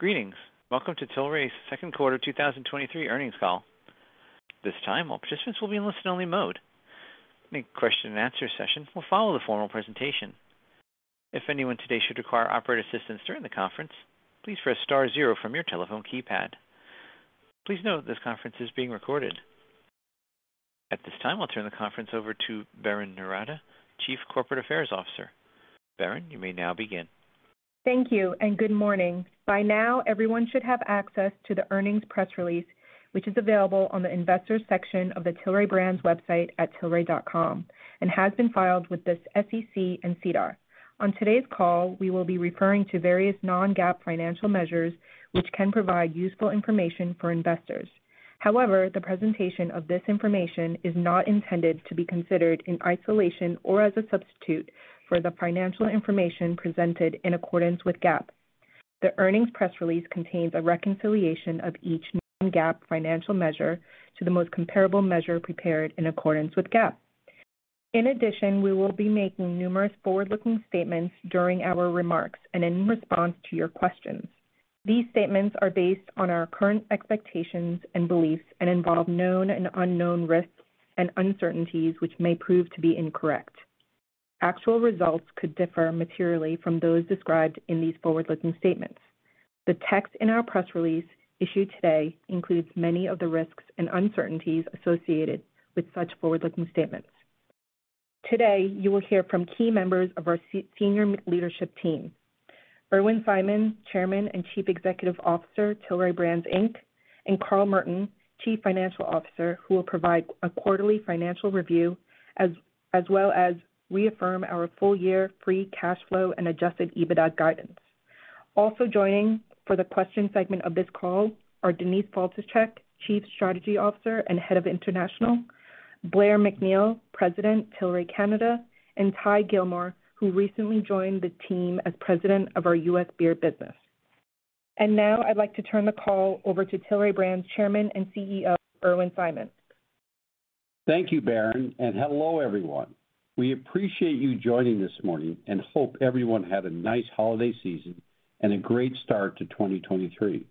Greetings. Welcome to Tilray's second quarter 2023 earnings call. At this time, all participants will be in listen-only mode. A question-and-answer session will follow the formal presentation. If anyone today should require operator assistance during the conference, please press star zero from your telephone keypad. Please note this conference is being recorded. At this time, I'll turn the conference over to Berrin Noorata, Chief Corporate Affairs Officer. Berrin, you may now begin. Thank you and good morning. By now, everyone should have access to the earnings press release, which is available on the investors section of the Tilray Brands website at tilray.com and has been filed with the SEC and SEDAR. On today's call, we will be referring to various non-GAAP financial measures which can provide useful information for investors. However, the presentation of this information is not intended to be considered in isolation or as a substitute for the financial information presented in accordance with GAAP. The earnings press release contains a reconciliation of each non-GAAP financial measure to the most comparable measure prepared in accordance with GAAP. In addition, we will be making numerous forward-looking statements during our remarks and in response to your questions. These statements are based on our current expectations and beliefs and involve known and unknown risks and uncertainties, which may prove to be incorrect. Actual results could differ materially from those described in these forward-looking statements. The text in our press release issued today includes many of the risks and uncertainties associated with such forward-looking statements. Today, you will hear from key members of our senior leadership team, Irwin Simon, Chairman and Chief Executive Officer, Tilray Brands, Inc, and Carl Merton, Chief Financial Officer, who will provide a quarterly financial review as well as reaffirm our full-year free cash flow and adjusted EBITDA guidance. Also joining for the question segment of this call are Denise Faltischek, Chief Strategy Officer and Head of International, Blair MacNeil, President, Tilray Canada, and Ty Gilmore, who recently joined the team as President of our U.S. Beer business. Now I'd like to turn the call over to Tilray Brands' Chairman and CEO, Irwin Simon. Thank you, Berrin, and hello, everyone. We appreciate you joining this morning and hope everyone had a nice holiday season and a great start to 2023.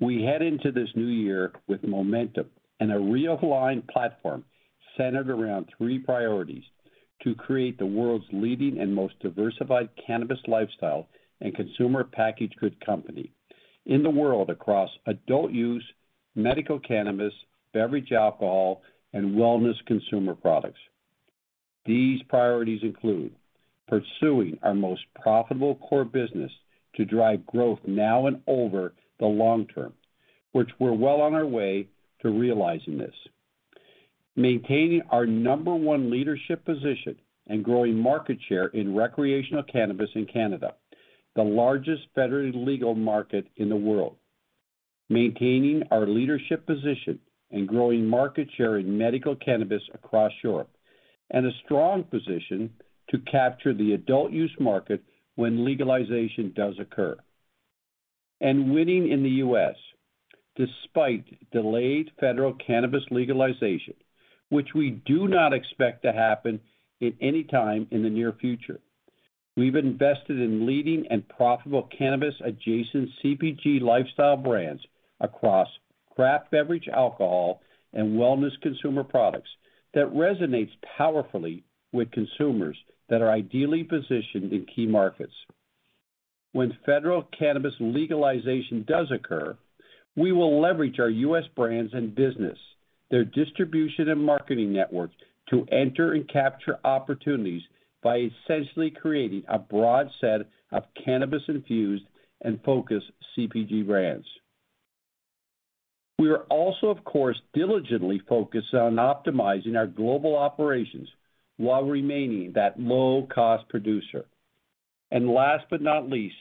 We head into this new year with momentum and a realigned platform centered around three priorities to create the world's leading and most diversified cannabis lifestyle and consumer packaged good company in the world across adult use, medical cannabis, beverage alcohol, and wellness consumer products. These priorities include pursuing our most profitable core business to drive growth now and over the long term, which we're well on our way to realizing this. Maintaining our number one leadership position and growing market share in recreational cannabis in Canada, the largest federated legal market in the world. Maintaining our leadership position and growing market share in medical cannabis across Europe, and a strong position to capture the adult use market when legalization does occur. Winning in the U.S., despite delayed federal cannabis legalization, which we do not expect to happen at any time in the near future. We've invested in leading and profitable cannabis adjacent CPG lifestyle brands across craft beverage alcohol, and wellness consumer products that resonates powerfully with consumers that are ideally positioned in key markets. When federal cannabis legalization does occur, we will leverage our U.S. brands and business, their distribution and marketing network to enter and capture opportunities by essentially creating a broad set of cannabis infused and focused CPG brands. We are also, of course, diligently focused on optimizing our global operations while remaining that low-cost producer. Last but not least,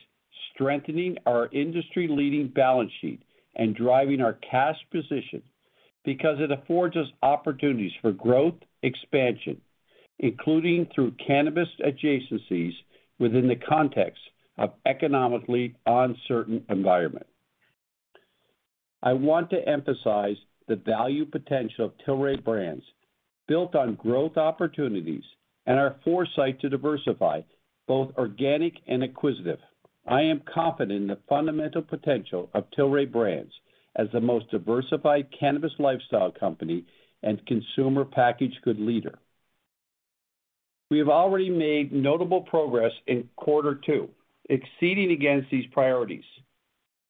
strengthening our industry-leading balance sheet and driving our cash position because it affords us opportunities for growth, expansion, including through cannabis adjacencies within the context of economically uncertain environment. I want to emphasize the value potential of Tilray Brands built on growth opportunities and our foresight to diversify both organic and acquisitive. I am confident in the fundamental potential of Tilray Brands as the most diversified cannabis lifestyle company and consumer packaged good leader. We have already made notable progress in quarter two, exceeding against these priorities,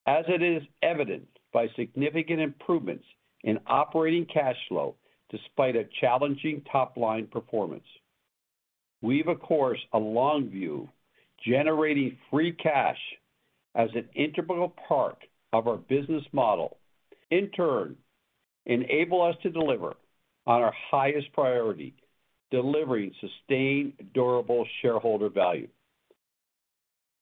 as it is evident by significant improvements in operating cash flow despite a challenging top-line performance. We have of course, a long view, generating free cash as an integral part of our business model, in turn, enable us to deliver on our highest priority, delivering sustained durable shareholder value.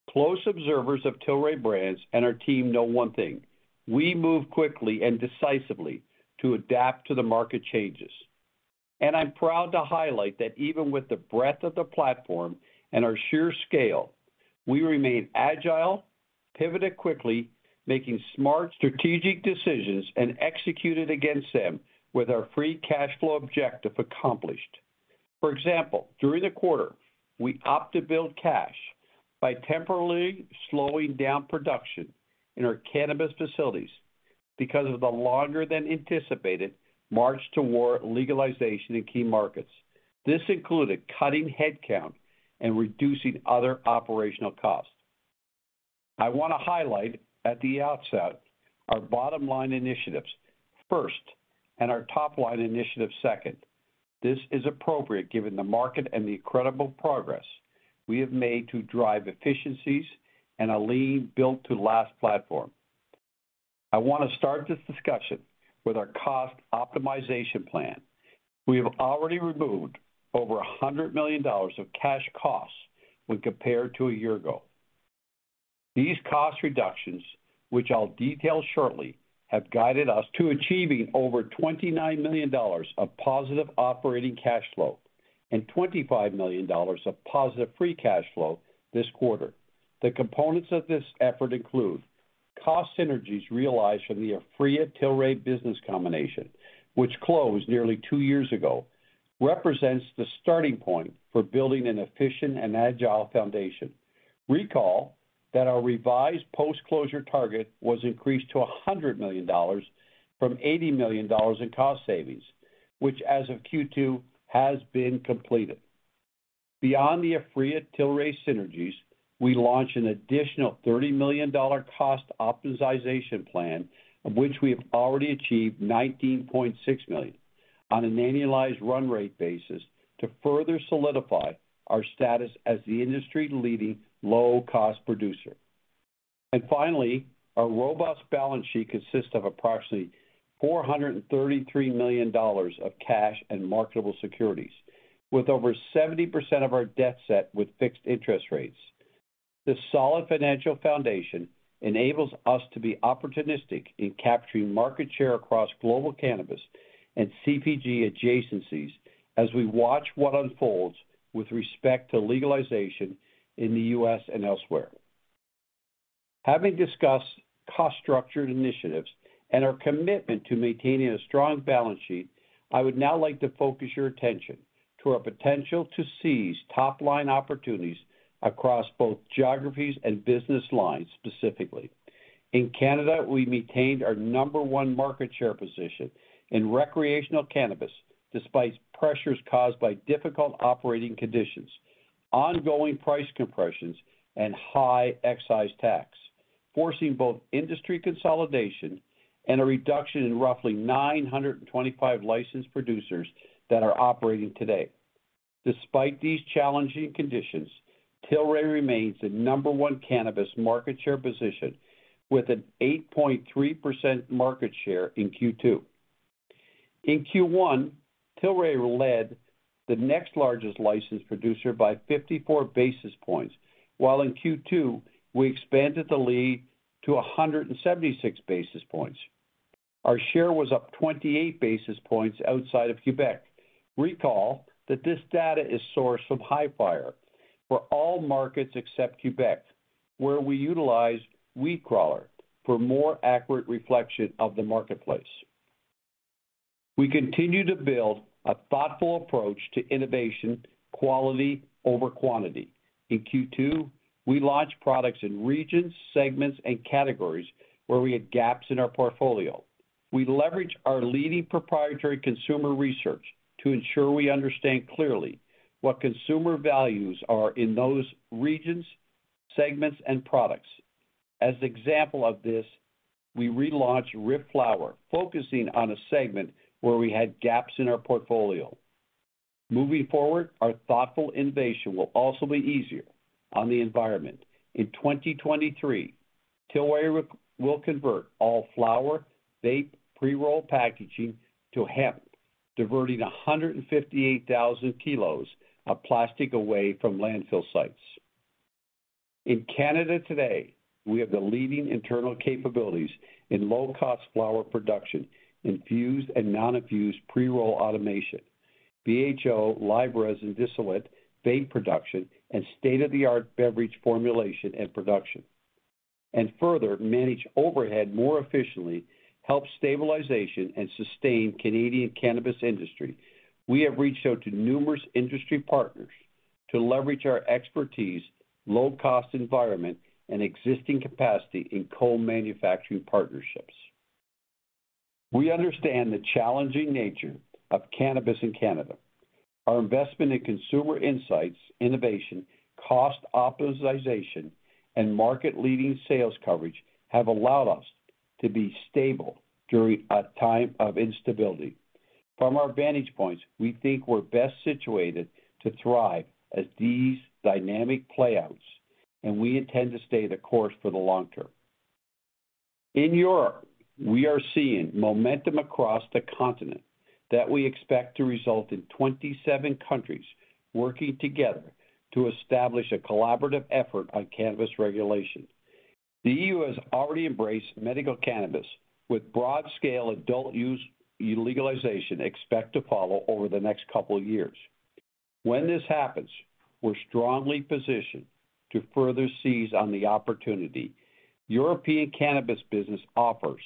Close observers of Tilray Brands and our team know one thing, we move quickly and decisively to adapt to the market changes. I'm proud to highlight that even with the breadth of the platform and our sheer scale, we remain agile, pivoted quickly, making smart strategic decisions and executed against them with our free cash flow objective accomplished. For example, during the quarter, we opt to build cash by temporarily slowing down production in our cannabis facilities because of the longer than anticipated march toward legalization in key markets. This included cutting headcount and reducing other operational costs. I wanna highlight at the outset our bottom line initiatives first and our top-line initiatives second. This is appropriate given the market and the incredible progress we have made to drive efficiencies and a lean Built to Last platform. I wanna start this discussion with our cost optimization plan. We have already removed over $100 million of cash costs when compared to a year ago. These cost reductions, which I'll detail shortly, have guided us to achieving over $29 million of positive operating cash flow and $25 million of positive free cash flow this quarter. The components of this effort include cost synergies realized from the Aphria-Tilray business combination, which closed nearly two years ago, represents the starting point for building an efficient and agile foundation. Recall that our revised post-closure target was increased to $100 million from $80 million in cost savings, which as of Q2 has been completed. Beyond the Aphria-Tilray synergies, we launched an additional $30 million cost optimization plan, of which we have already achieved $19.6 million on an annualized run rate basis to further solidify our status as the industry-leading low-cost producer. Finally, our robust balance sheet consists of approximately $433 million of cash and marketable securities, with over 70% of our debt set with fixed interest rates. This solid financial foundation enables us to be opportunistic in capturing market share across global cannabis and CPG adjacencies as we watch what unfolds with respect to legalization in the U.S. and elsewhere. Having discussed cost structure initiatives and our commitment to maintaining a strong balance sheet, I would now like to focus your attention to our potential to seize top-line opportunities across both geographies and business lines specifically. In Canada, we maintained our number one market share position in recreational cannabis despite pressures caused by difficult operating conditions, ongoing price compressions, and high excise tax, forcing both industry consolidation and a reduction in roughly 925 licensed producers that are operating today. Despite these challenging conditions, Tilray remains the number one cannabis market share position with an 8.3% market share in Q2. In Q1, Tilray led the next largest licensed producer by 54 basis points, while in Q2, we expanded the lead to 176 basis points. Our share was up 28 basis points outside of Quebec. Recall that this data is sourced from Hifyre for all markets except Quebec, where we utilized WeedCrawler for more accurate reflection of the marketplace. We continue to build a thoughtful approach to innovation, quality over quantity. In Q2, we launched products in regions, segments, and categories where we had gaps in our portfolio. We leverage our leading proprietary consumer research to ensure we understand clearly what consumer values are in those regions, segments, and products. As example of this, we relaunched RIFF Flower, focusing on a segment where we had gaps in our portfolio. Moving forward, our thoughtful innovation will also be easier on the environment. In 2023, Tilray will convert all flower vape pre-roll packaging to hemp, diverting 158,000 kg of plastic away from landfill sites. In Canada today, we have the leading internal capabilities in low-cost flower production, infused and non-infused pre-roll automation, BHO, live resin, distillate, vape production, and state-of-the-art beverage formulation and production. Further manage overhead more efficiently, help stabilization, and sustain Canadian cannabis industry. We have reached out to numerous industry partners to leverage our expertise, low-cost environment, and existing capacity in co-manufacturing partnerships. We understand the challenging nature of cannabis in Canada. Our investment in consumer insights, innovation, cost optimization, and market-leading sales coverage have allowed us to be stable during a time of instability. From our vantage points, we think we're best situated to thrive as these dynamic playouts, we intend to stay the course for the long term. In Europe, we are seeing momentum across the continent that we expect to result in 27 countries working together to establish a collaborative effort on cannabis regulation. The EU has already embraced medical cannabis, with broad-scale adult use legalization expect to follow over the next couple of years. When this happens, we're strongly positioned to further seize on the opportunity European cannabis business offers.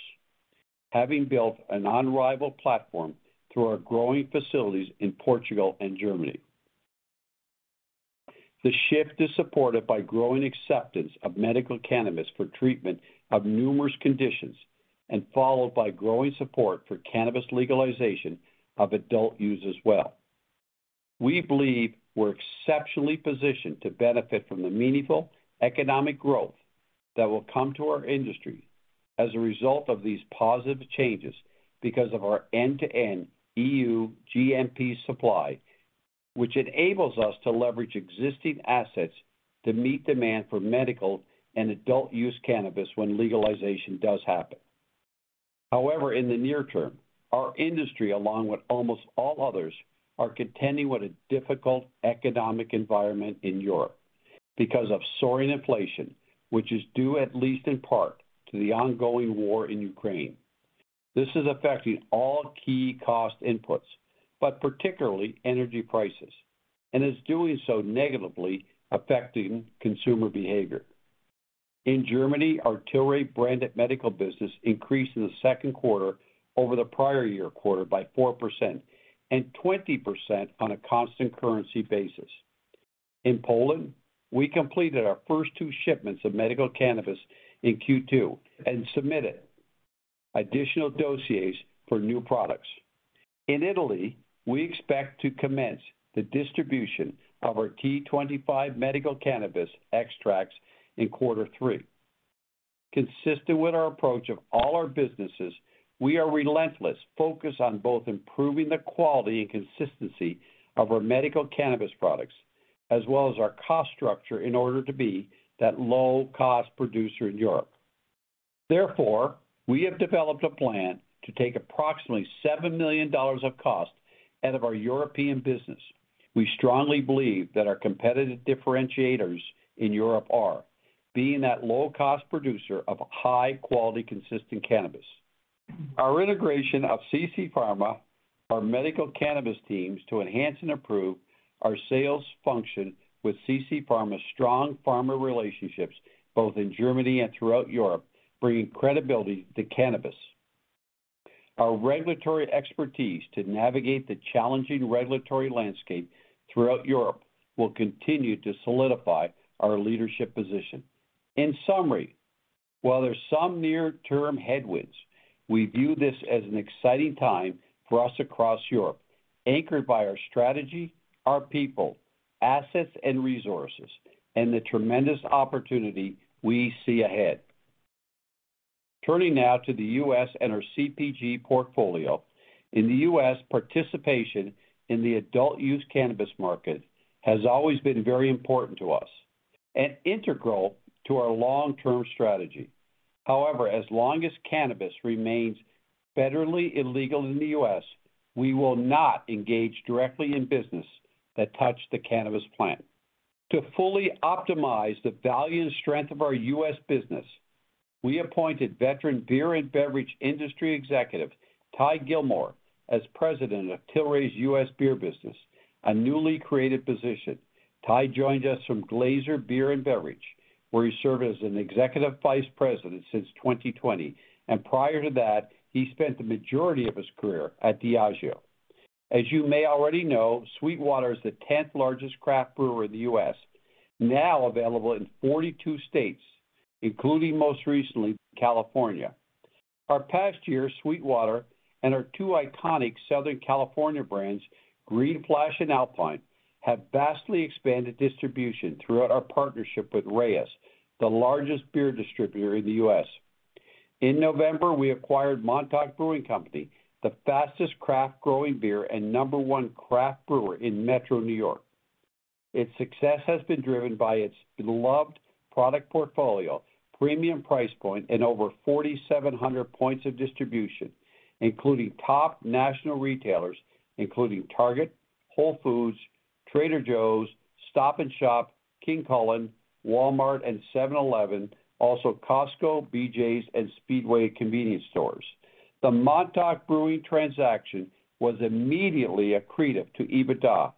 Having built an unrivaled platform through our growing facilities in Portugal and Germany. The shift is supported by growing acceptance of medical cannabis for treatment of numerous conditions, and followed by growing support for cannabis legalization of adult use as well. We believe we're exceptionally positioned to benefit from the meaningful economic growth that will come to our industry as a result of these positive changes because of our end-to-end EU GMP supply, which enables us to leverage existing assets to meet demand for medical and adult use cannabis when legalization does happen. However, in the near term, our industry, along with almost all others, are contending with a difficult economic environment in Europe because of soaring inflation, which is due, at least in part, to the ongoing war in Ukraine. This is affecting all key cost inputs, but particularly energy prices, and is doing so negatively affecting consumer behavior. In Germany, our Tilray-branded medical business increased in the second quarter over the prior year quarter by 4% and 20% on a constant currency basis. In Poland, we completed our first two shipments of medical cannabis in Q2 and submitted additional dossiers for new products. In Italy, we expect to commence the distribution of our T25 medical cannabis extracts in quarter three. Consistent with our approach of all our businesses, we are relentless, focused on both improving the quality and consistency of our medical cannabis products as well as our cost structure in order to be that low-cost producer in Europe. Therefore, we have developed a plan to take approximately $7 million of cost out of our European business. We strongly believe that our competitive differentiators in Europe are being that low-cost producer of high-quality, consistent cannabis. Our integration of CC Pharma, our medical cannabis teams to enhance and improve our sales function with CC Pharma's strong pharma relationships, both in Germany and throughout Europe, bringing credibility to cannabis. Our regulatory expertise to navigate the challenging regulatory landscape throughout Europe will continue to solidify our leadership position. In summary, while there's some near-term headwinds, we view this as an exciting time for us across Europe, anchored by our strategy, our people, assets, and resources, and the tremendous opportunity we see ahead. Turning now to the U.S. and our CPG portfolio. In the U.S., participation in the adult use cannabis market has always been very important to us and integral to our long-term strategy. However, as long as cannabis remains federally illegal in the U.S., we will not engage directly in business that touch the cannabis plant. To fully optimize the value and strength of our U.S. business, we appointed veteran beer and beverage industry executive, Ty Gilmore, as President of Tilray's U.S. Beer Business, a newly created position. Ty joined us from Glazer's Beer & Beverage, where he served as an Executive Vice President since 2020. Prior to that, he spent the majority of his career at Diageo. As you may already know, SweetWater is the 10th-largest craft brewer in the U.S., now available in 42 states, including most recently, California. Our past year, SweetWater and our two iconic Southern California brands, Green Flash and Alpine, have vastly expanded distribution throughout our partnership with Reyes, the largest beer distributor in the U.S. In November, we acquired Montauk Brewing Company, the fastest craft growing beer and number one craft brewer in Metro New York. Its success has been driven by its beloved product portfolio, premium price point, and over 4,700 points of distribution, including top national retailers, including Target, Whole Foods, Trader Joe's, Stop & Shop, King Kullen, Walmart, and 7-Eleven, also Costco, BJ's, and Speedway convenience stores. The Montauk Brewing transaction was immediately accretive to EBITDA,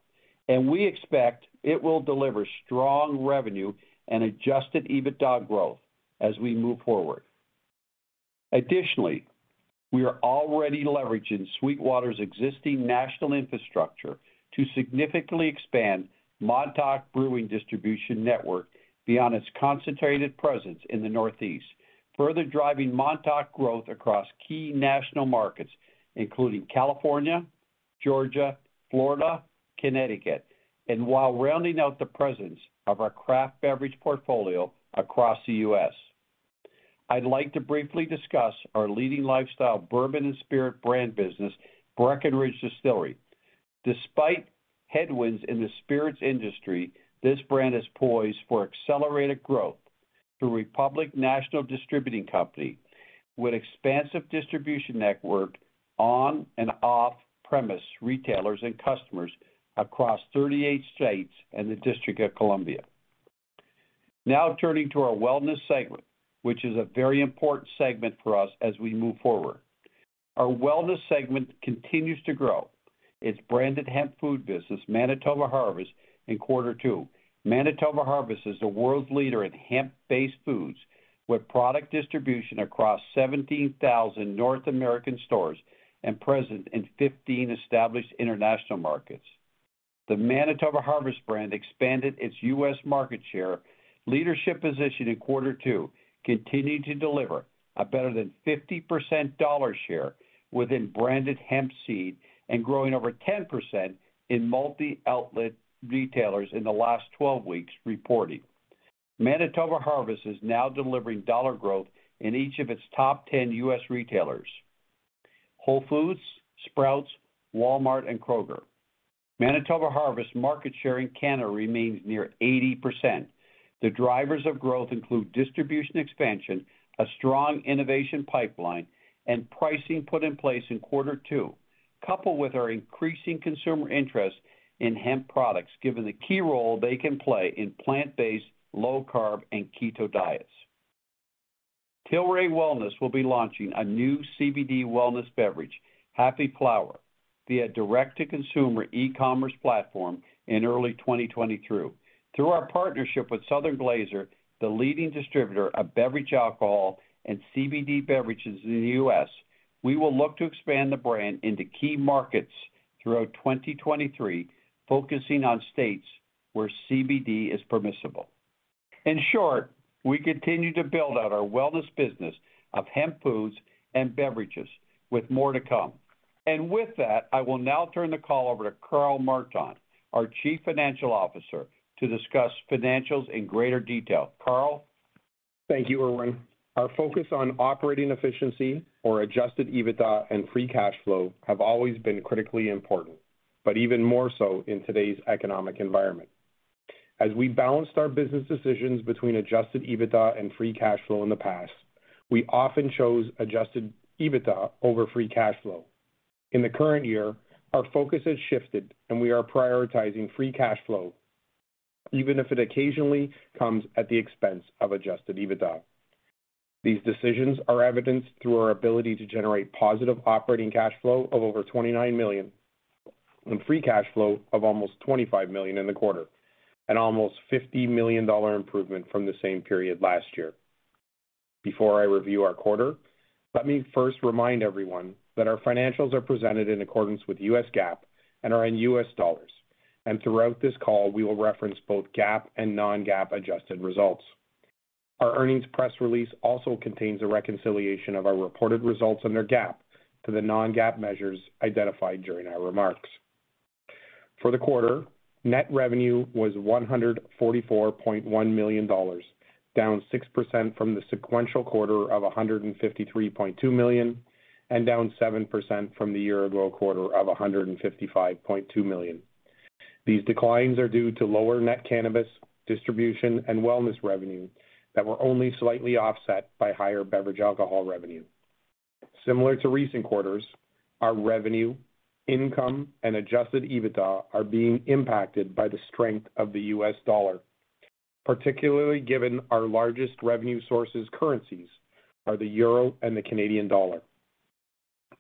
and we expect it will deliver strong revenue and adjusted EBITDA growth as we move forward. Additionally, we are already leveraging SweetWater's existing national infrastructure to significantly expand Montauk Brewing distribution network beyond its concentrated presence in the Northeast, further driving Montauk growth across key national markets, including California, Georgia, Florida, Connecticut, and while rounding out the presence of our craft beverage portfolio across the U.S. I'd like to briefly discuss our leading lifestyle bourbon and spirit brand business, Breckenridge Distillery. Despite headwinds in the spirits industry, this brand is poised for accelerated growth through Republic National Distributing Company with expansive distribution network on and off-premise retailers and customers across 38 states and the District of Columbia. Turning to our wellness segment, which is a very important segment for us as we move forward. Our wellness segment continues to grow its branded hemp food business, Manitoba Harvest, in quarter two. Manitoba Harvest is the world's leader in hemp-based foods, with product distribution across 17,000 North American stores and present in 15 established international markets. The Manitoba Harvest brand expanded its U.S. market share leadership position in quarter two, continuing to deliver a better than 50% dollar share within branded hemp seed and growing over 10% in multi-outlet retailers in the last 12 weeks reporting. Manitoba Harvest is now delivering dollar growth in each of its top 10 U.S. retailers: Whole Foods, Sprouts, Walmart, and Kroger. Manitoba Harvest market share in Canada remains near 80%. The drivers of growth include distribution expansion, a strong innovation pipeline, and pricing put in place in quarter two, coupled with our increasing consumer interest in hemp products, given the key role they can play in plant-based, low-carb, and keto diets. Tilray Wellness will be launching a new CBD wellness beverage, Happy Flower, via direct-to-consumer e-commerce platform in early 2023. Through our partnership with Southern Glazer, the leading distributor of beverage alcohol and CBD beverages in the U.S., we will look to expand the brand into key markets throughout 2023, focusing on states where CBD is permissible. In short, we continue to build out our wellness business of hemp foods and beverages, with more to come. With that, I will now turn the call over to Carl Merton, our Chief Financial Officer, to discuss financials in greater detail. Carl? Thank you, Irwin. Our focus on operating efficiency or adjusted EBITDA and free cash flow have always been critically important, but even more so in today's economic environment. As we balanced our business decisions between adjusted EBITDA and free cash flow in the past, we often chose adjusted EBITDA over free cash flow. In the current year, our focus has shifted, and we are prioritizing free cash flow, even if it occasionally comes at the expense of adjusted EBITDA. These decisions are evidenced through our ability to generate positive operating cash flow of over $29 million and free cash flow of almost $25 million in the quarter, an almost $50 million improvement from the same period last year. Before I review our quarter, let me first remind everyone that our financials are presented in accordance with U.S. GAAP and are in US dollars. Throughout this call, we will reference both GAAP and non-GAAP adjusted results. Our earnings press release also contains a reconciliation of our reported results under GAAP to the non-GAAP measures identified during our remarks. For the quarter, net revenue was $144.1 million, down 6% from the sequential quarter of $153.2 million, and down 7% from the year-ago quarter of $155.2 million. These declines are due to lower net cannabis distribution and wellness revenue that were only slightly offset by higher beverage alcohol revenue. Similar to recent quarters, our revenue, income, and adjusted EBITDA are being impacted by the strength of the U.S. dollar, particularly given our largest revenue sources currencies are the euro and the Canadian dollar.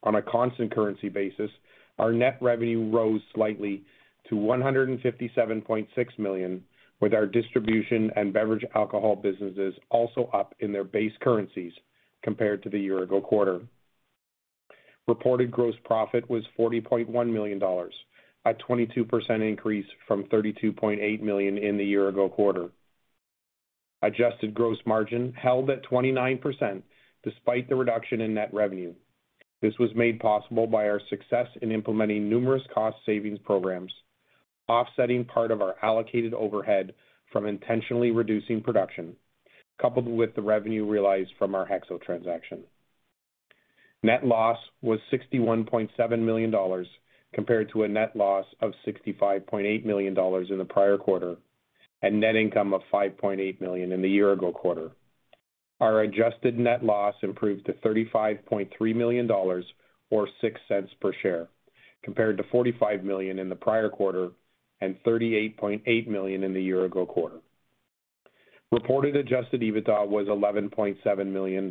On a constant currency basis, our net revenue rose slightly to $157.6 million, with our distribution and beverage alcohol businesses also up in their base currencies compared to the year-ago quarter. Reported gross profit was $40.1 million, a 22% increase from $32.8 million in the year-ago quarter. Adjusted gross margin held at 29% despite the reduction in net revenue. This was made possible by our success in implementing numerous cost savings programs, offsetting part of our allocated overhead from intentionally reducing production, coupled with the revenue realized from our HEXO transaction. Net loss was $61.7 million compared to a net loss of $65.8 million in the prior quarter and net income of $5.8 million in the year-ago quarter. Our adjusted net loss improved to $35.3 million or $0.06 per share, compared to $45 million in the prior quarter and $38.8 million in the year-ago quarter. Reported adjusted EBITDA was $11.7 million,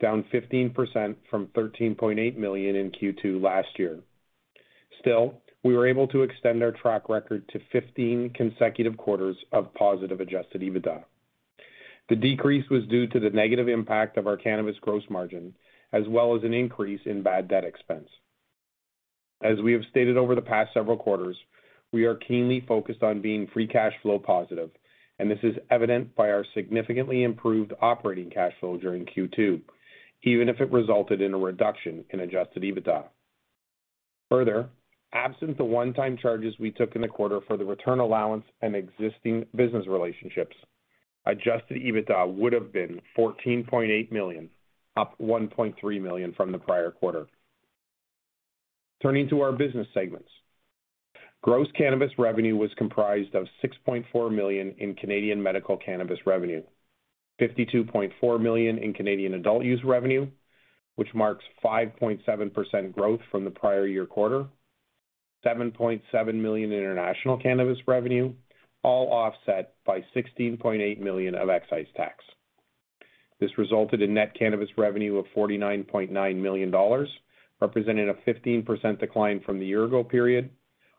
down 15% from $13.8 million in Q2 last year. We were able to extend our track record to 15 consecutive quarters of positive adjusted EBITDA. The decrease was due to the negative impact of our cannabis gross margin, as well as an increase in bad debt expense. As we have stated over the past several quarters, we are keenly focused on being free cash flow positive, this is evident by our significantly improved operating cash flow during Q2, even if it resulted in a reduction in adjusted EBITDA. Further, absent the one-time charges we took in the quarter for the return allowance and existing business relationships, adjusted EBITDA would have been $14.8 million, up $1.3 million from the prior quarter. Turning to our business segments. Gross cannabis revenue was comprised of $6.4 million in Canadian medical cannabis revenue, $52.4 million in Canadian adult use revenue, which marks 5.7% growth from the prior year quarter, $7.7 million in international cannabis revenue, all offset by $16.8 million of excise tax. This resulted in net cannabis revenue of $49.9 million, representing a 15% decline from the year ago period,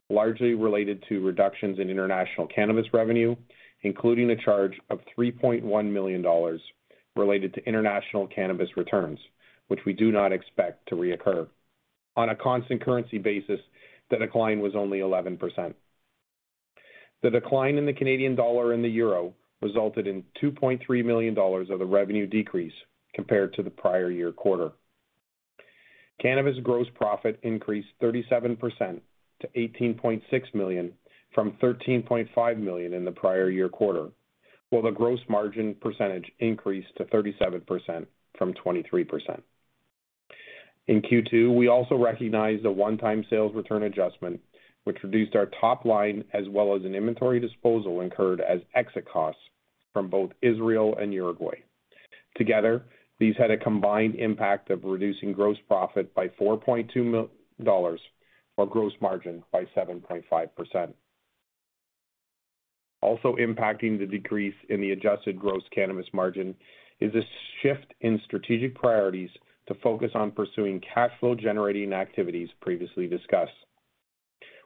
largely related to reductions in international cannabis revenue, including a charge of $3.1 million related to international cannabis returns, which we do not expect to reoccur. On a constant currency basis, the decline was only 11%. The decline in the Canadian dollar and the euro resulted in $2.3 million of the revenue decrease compared to the prior year quarter. Cannabis gross profit increased 37% to $18.6 million from $13.5 million in the prior year quarter, while the gross margin percentage increased to 37% from 23%. In Q2, we also recognized a one-time sales return adjustment, which reduced our top line as well as an inventory disposal incurred as exit costs from both Israel and Uruguay. Together, these had a combined impact of reducing gross profit by $4.2, or gross margin by 7.5%. Also impacting the decrease in the adjusted gross cannabis margin is a shift in strategic priorities to focus on pursuing cash flow generating activities previously discussed.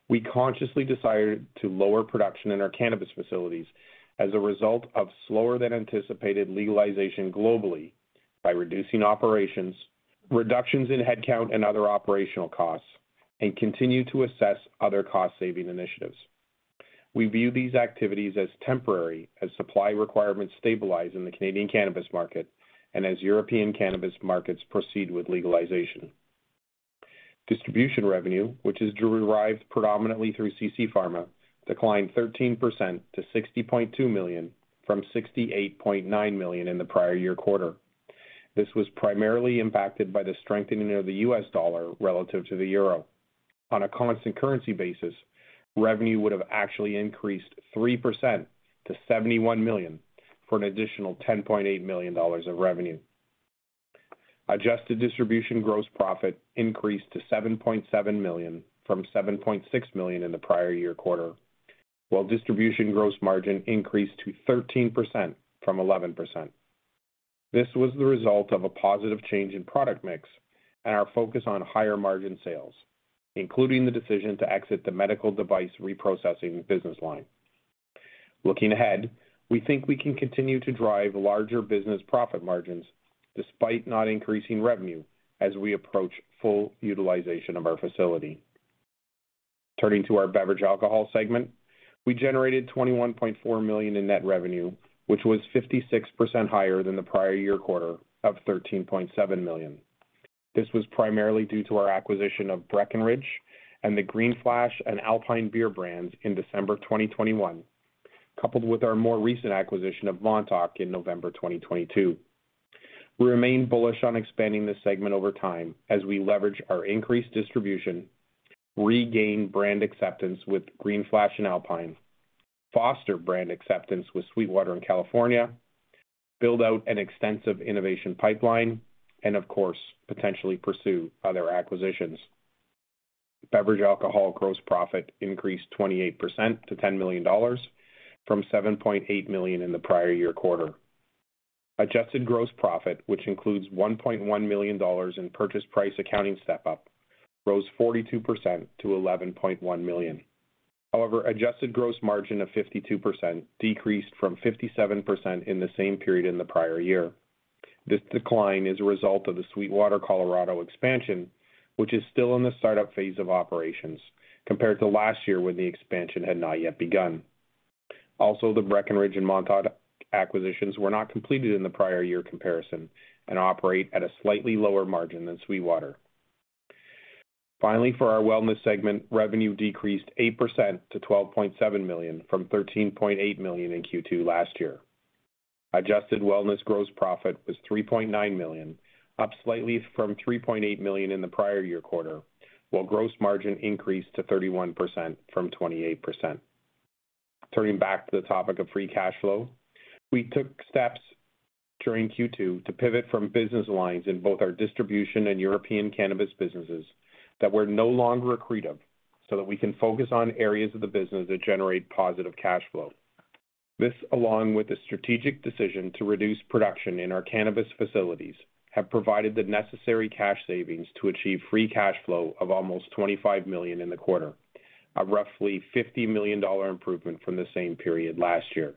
We consciously decided to lower production in our cannabis facilities as a result of slower than anticipated legalization globally by reducing operations, reductions in headcount and other operational costs, and continue to assess other cost-saving initiatives. We view these activities as temporary as supply requirements stabilize in the Canadian cannabis market and as European cannabis markets proceed with legalization. Distribution revenue, which is derived predominantly through CC Pharma, declined 13% to $60.2 million from $68.9 million in the prior year quarter. This was primarily impacted by the strengthening of the U.S. dollar relative to the euro. On a constant currency basis, revenue would have actually increased 3% to $71 million for an additional $10.8 million of revenue. Adjusted distribution gross profit increased to $7.7 million from $7.6 million in the prior year quarter, while distribution gross margin increased to 13% from 11%. This was the result of a positive change in product mix and our focus on higher margin sales, including the decision to exit the medical device reprocessing business line. Looking ahead, we think we can continue to drive larger business profit margins despite not increasing revenue as we approach full utilization of our facility. Turning to our beverage alcohol segment, we generated $21.4 million in net revenue, which was 56% higher than the prior year quarter of $13.7 million. This was primarily due to our acquisition of Breckenridge and the Green Flash and Alpine beer brands in December 2021, coupled with our more recent acquisition of Montauk in November 2022. We remain bullish on expanding this segment over time as we leverage our increased distribution, regain brand acceptance with Green Flash and Alpine, foster brand acceptance with SweetWater in California, build out an extensive innovation pipeline, and of course, potentially pursue other acquisitions. Beverage alcohol gross profit increased 28% to $10 million from $7.8 million in the prior year quarter. Adjusted gross profit, which includes $1.1 million in purchase price accounting step-up, rose 42% to $11.1 million. However, adjusted gross margin of 52% decreased from 57% in the same period in the prior year. This decline is a result of the SweetWater Colorado expansion, which is still in the start-up phase of operations compared to last year when the expansion had not yet begun. The Breckenridge and Montauk acquisitions were not completed in the prior year comparison and operate at a slightly lower margin than SweetWater. For our wellness segment, revenue decreased 8% to $12.7 million from $13.8 million in Q2 last year. Adjusted wellness gross profit was $3.9 million, up slightly from $3.8 million in the prior year quarter, while gross margin increased to 31% from 28%. Turning back to the topic of free cash flow, we took steps during Q2 to pivot from business lines in both our distribution and European cannabis businesses that were no longer accretive so that we can focus on areas of the business that generate positive cash flow. This, along with the strategic decision to reduce production in our cannabis facilities, have provided the necessary cash savings to achieve free cash flow of almost $25 million in the quarter, a roughly $50 million improvement from the same period last year.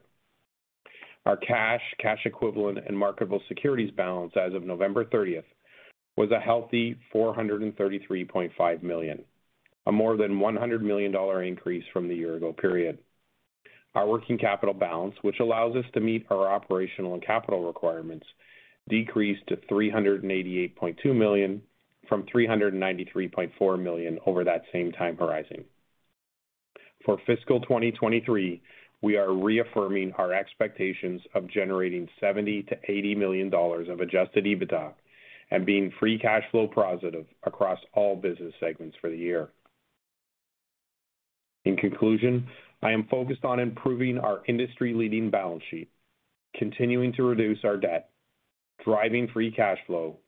Our cash equivalent and marketable securities balance as of November thirtieth was a healthy $433.5 million, a more than $100 million increase from the year ago period. Our working capital balance, which allows us to meet our operational and capital requirements, decreased to $388.2 million from $393.4 million over that same time horizon. For fiscal 2023, we are reaffirming our expectations of generating $70 million-$80 million of adjusted EBITDA and being free cash flow positive across all business segments for the year. In conclusion, I am focused on improving our industry-leading balance sheet, continuing to reduce our debt, driving free cash flow.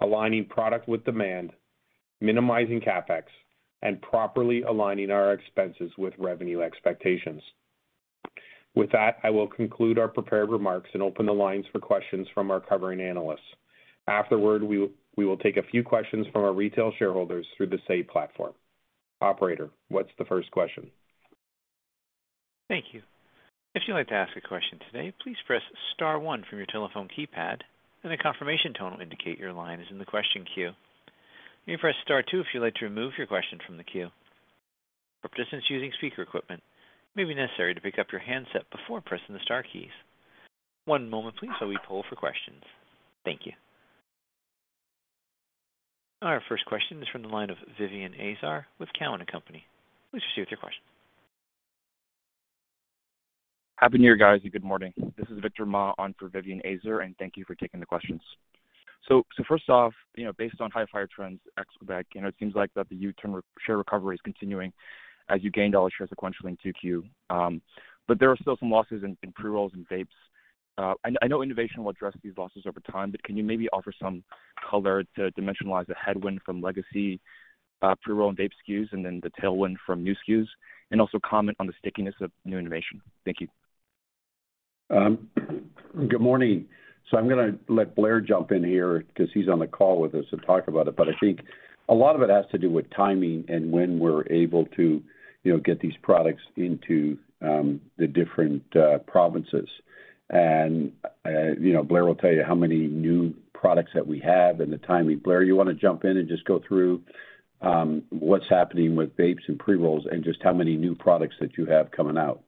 Aligning product with demand, minimizing CapEx, and properly aligning our expenses with revenue expectations. With that, I will conclude our prepared remarks and open the lines for questions from our covering analysts. Afterward, we will take a few questions from our retail shareholders through the Say platform. Operator, what's the first question? Thank you. If you'd like to ask a question today, please press star one from your telephone keypad, and a confirmation tone will indicate your line is in the question queue. You may press star two if you'd like to remove your question from the queue. For participants using speaker equipment, it may be necessary to pick up your handset before pressing the star keys. One moment please while we poll for questions. Thank you. Our first question is from the line of Vivien Azer with Cowen & Company. Please proceed with your question. Happy New Year, guys, good morning. This is Victor Ma on for Vivien Azer. Thank you for taking the questions. First off, you know, based on Hifyre trends ex Quebec, you know, it seems like that the U-turn re- share recovery is continuing as you gained dollar shares sequentially in 2Q. There are still some losses in pre-rolls and vapes. I know innovation will address these losses over time. Can you maybe offer some color to dimensionalize the headwind from legacy pre-roll and vape SKUs, the tailwind from new SKUs? Also comment on the stickiness of new innovation. Thank you. Good morning. I'm gonna let Blair jump in here because he's on the call with us to talk about it, but I think a lot of it has to do with timing and when we're able to, you know, get these products into the different provinces. You know, Blair will tell you how many new products that we have and the timing. Blair, you wanna jump in and just go through what's happening with vapes and pre-rolls and just how many new products that you have coming out?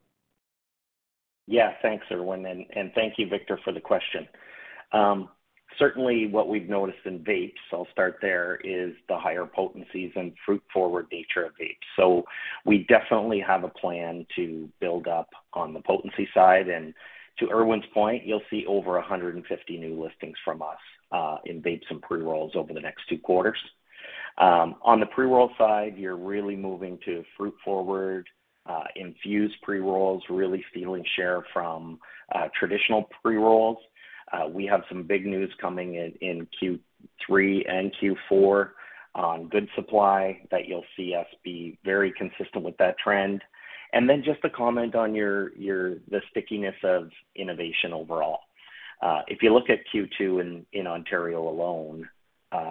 Thanks, Irwin, and thank you, Victor, for the question. Certainly what we've noticed in vapes, I'll start there, is the higher potencies and fruit-forward nature of vapes. We definitely have a plan to build up on the potency side. To Irwin's point, you'll see over 150 new listings from us in vapes and pre-rolls over the next two quarters. On the pre-roll side, you're really moving to fruit forward, infused pre-rolls, really stealing share from traditional pre-rolls. We have some big news coming in Q3 and Q4 on Good Supply that you'll see us be very consistent with that trend. Just to comment on your the stickiness of innovation overall. If you look at Q2 in Ontario alone,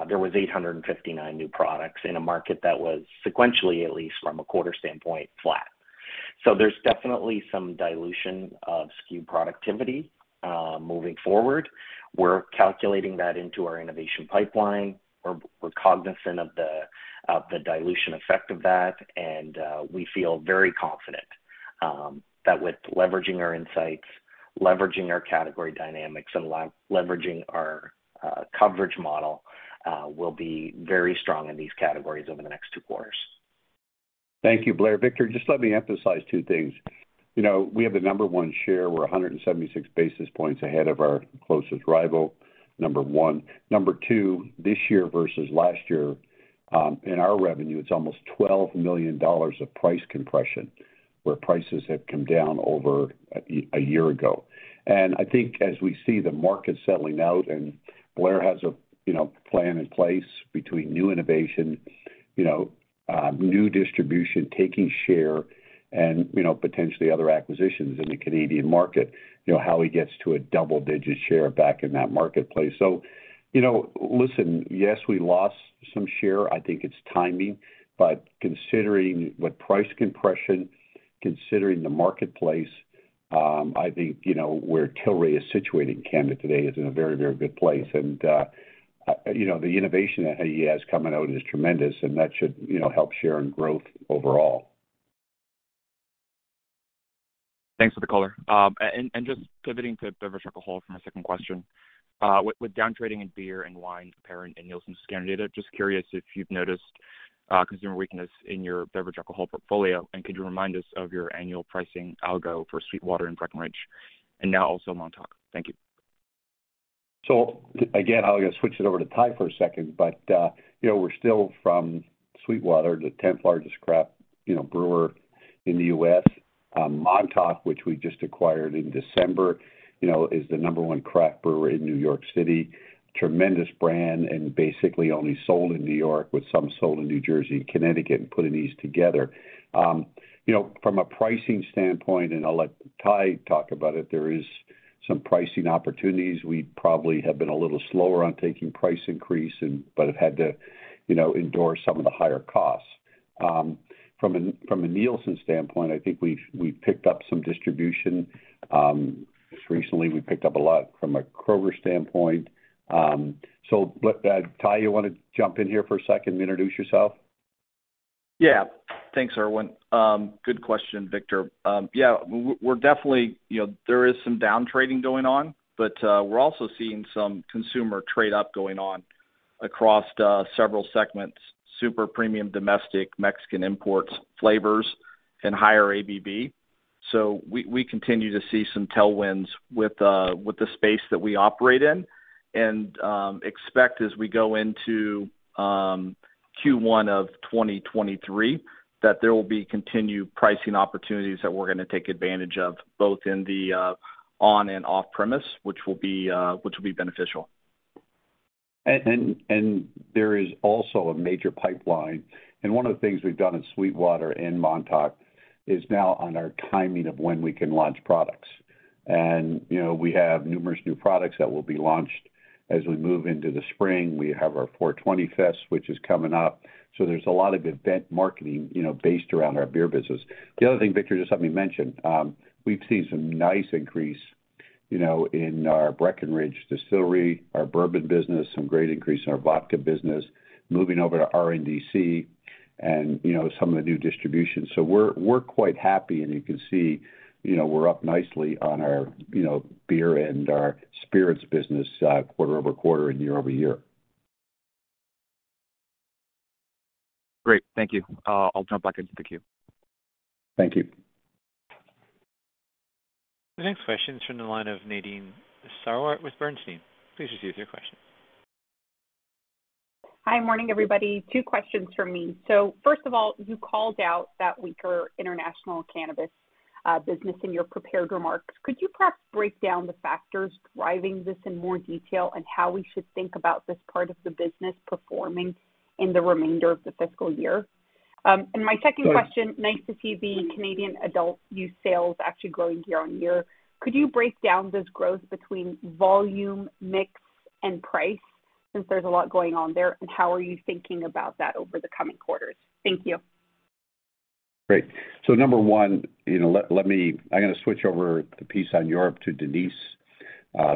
there was 859 new products in a market that was sequentially, at least from a quarter standpoint, flat. There's definitely some dilution of SKU productivity, moving forward. We're calculating that into our innovation pipeline. We're cognizant of the dilution effect of that. We feel very confident, that with leveraging our insights, leveraging our category dynamics, and leveraging our, coverage model, we'll be very strong in these categories over the next two quarters. Thank you, Blair. Victor, just let me emphasize two things. You know, we have the number one share. We're 176 basis points ahead of our closest rival, number one. Number two, this year versus last year, in our revenue, it's almost $12 million of price compression, where prices have come down over a year ago. I think as we see the market settling out, and Blair has a, you know, plan in place between new innovation, new distribution, taking share and, you know, potentially other acquisitions in the Canadian market, you know, how he gets to a double-digit share back in that marketplace. Listen, yes, we lost some share. I think it's timing, but considering what price compression, considering the marketplace, I think, you know, where Tilray is situated in Canada today is in a very, very good place. You know, the innovation that he has coming out is tremendous, and that should, you know, help share in growth overall. Thanks for the color. Just pivoting to beverage alcohol for my second question. With downtrading in beer and wine apparent in Nielsen's scan data, just curious if you've noticed consumer weakness in your beverage alcohol portfolio. Could you remind us of your annual pricing algo for SweetWater and Breckenridge, and now also Montauk? Thank you. Again, I'm gonna switch it over to Ty for a second, you know, we're still from SweetWater, the 10th-largest craft, you know, brewer in the U.S. Montauk, which we just acquired in December, you know, is the number one craft brewer in New York City. Tremendous brand basically only sold in New York with some sold in New Jersey and Connecticut and putting these together. You know, from a pricing standpoint, and I'll let Ty talk about it, there is some pricing opportunities. We probably have been a little slower on taking price increase, but have had to, you know, endure some of the higher costs. From a Nielsen standpoint, I think we've picked up some distribution. Just recently we picked up a lot from a Kroger standpoint. Ty, you wanna jump in here for a second and introduce yourself? Thanks, Irwin. Good question, Victor. We're definitely you know, there is some down trading going on, but we're also seeing some consumer trade up going on across several segments, super premium domestic, Mexican imports, flavors and higher ABV. We continue to see some tailwinds with the space that we operate in, and expect as we go into Q1 of 2023, that there will be continued pricing opportunities that we're gonna take advantage of both in the on and off premise, which will be beneficial. There is also a major pipeline. One of the things we've done in SweetWater and Montauk is now on our timing of when we can launch products. You know, we have numerous new products that will be launched as we move into the spring. We have our 420 Fest, which is coming up. There's a lot of event marketing, you know, based around our beer business. The other thing, Victor, just let me mention, we've seen some nice increase, you know, in our Breckenridge Distillery, our bourbon business, some great increase in our vodka business, moving over to RNDC and, you know, some of the new distribution. We're quite happy, and you can see, you know, we're up nicely on our, you know, beer and our spirits business, quarter-over-quarter and year-over-year. Great. Thank you. I'll jump back into the queue. Thank you. The next question is from the line of Nadine Sarwat with Bernstein. Please proceed with your question. Hi, morning, everybody. Two questions from me. First of all, you called out that weaker international cannabis business in your prepared remarks. Could you perhaps break down the factors driving this in more detail, and how we should think about this part of the business performing in the remainder of the fiscal year? My second question, nice to see the Canadian adult use sales actually growing year-over-year. Could you break down this growth between volume, mix, and price since there's a lot going on there, and how are you thinking about that over the coming quarters? Thank you. Great. Number one, you know, let me I'm gonna switch over the piece on Europe to Denise,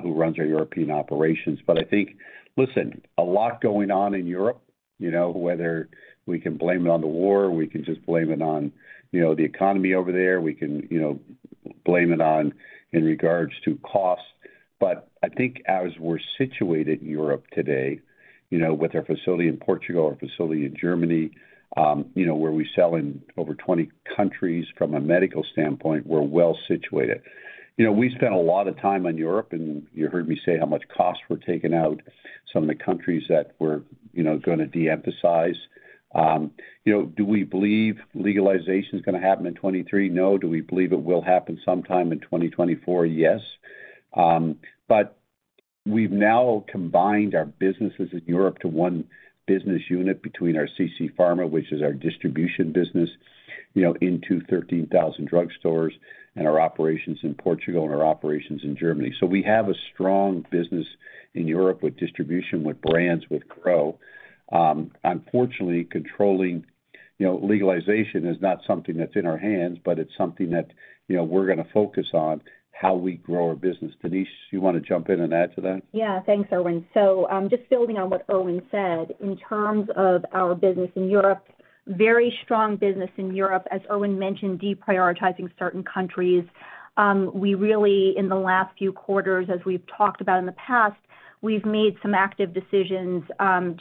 who runs our European operations. I think, listen, a lot going on in Europe, you know, whether we can blame it on the war, we can just blame it on, you know, the economy over there. We can, you know, blame it on in regards to costs. I think as we're situated in Europe today, you know, with our facility in Portugal, our facility in Germany, you know, where we sell in over 20 countries from a medical standpoint, we're well situated. You know, we spent a lot of time on Europe, and you heard me say how much costs were taken out, some of the countries that we're, you know, gonna de-emphasize. You know, do we believe legalization is gonna happen in 2023? No. Do we believe it will happen sometime in 2024? Yes. We've now combined our businesses in Europe to one business unit between our CC Pharma, which is our distribution business, you know, into 13,000 drugstores, and our operations in Portugal and our operations in Germany. We have a strong business in Europe with distribution, with brands, with growth. Unfortunately, controlling, you know, legalization is not something that's in our hands, but it's something that, you know, we're gonna focus on how we grow our business. Denise, you wanna jump in and add to that? Thanks, Irwin. Just building on what Irwin said, in terms of our business in Europe, very strong business in Europe. As Irwin mentioned, deprioritizing certain countries. We really, in the last few quarters, as we've talked about in the past, we've made some active decisions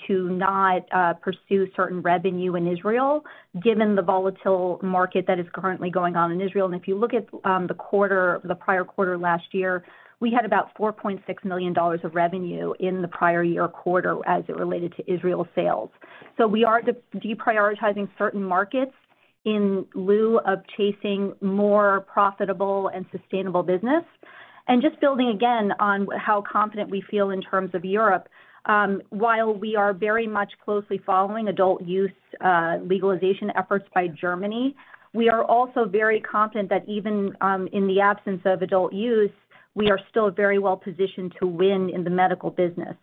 to not pursue certain revenue in Israel, given the volatile market that is currently going on in Israel. If you look at the quarter, the prior quarter last year, we had about $4.6 million of revenue in the prior year quarter as it related to Israel sales. We are deprioritizing certain markets in lieu of chasing more profitable and sustainable business. Just building again on how confident we feel in terms of Europe, while we are very much closely following adult use legalization efforts by Germany, we are also very confident that even in the absence of adult use, we are still very well positioned to win in the medical business.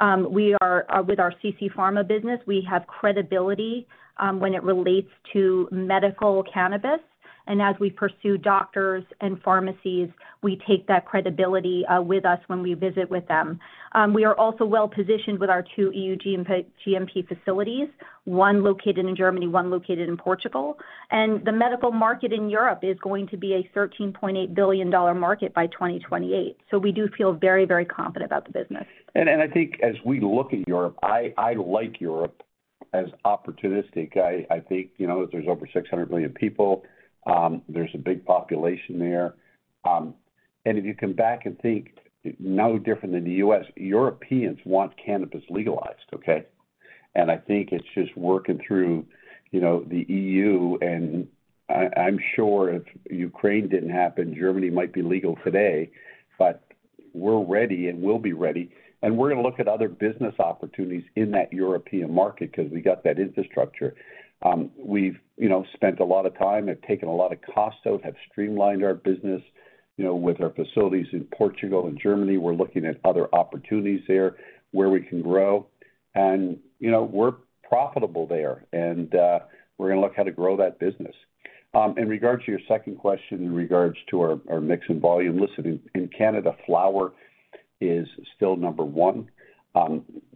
With our CC Pharma business, we have credibility when it relates to medical cannabis. As we pursue doctors and pharmacies, we take that credibility with us when we visit with them. We are also well positioned with our two EU GMP facilities, one located in Germany, one located in Portugal. The medical market in Europe is going to be a $13.8 billion market by 2028. We do feel very, very confident about the business. I think as we look at Europe, I like Europe as opportunistic. I think, you know, there's over 600 million people. There's a big population there. If you come back and think no different than the U.S., Europeans want cannabis legalized, okay? I think it's just working through, you know, the EU, and I'm sure if Ukraine didn't happen, Germany might be legal today, but we're ready and will be ready. We're gonna look at other business opportunities in that European market because we got that infrastructure. We've, you know, spent a lot of time, have taken a lot of costs out, have streamlined our business, you know, with our facilities in Portugal and Germany. We're looking at other opportunities there where we can grow. You know, we're profitable there, and we're gonna look how to grow that business. In regards to your second question in regards to our mix and volume, listen, in Canada, flower is still number one.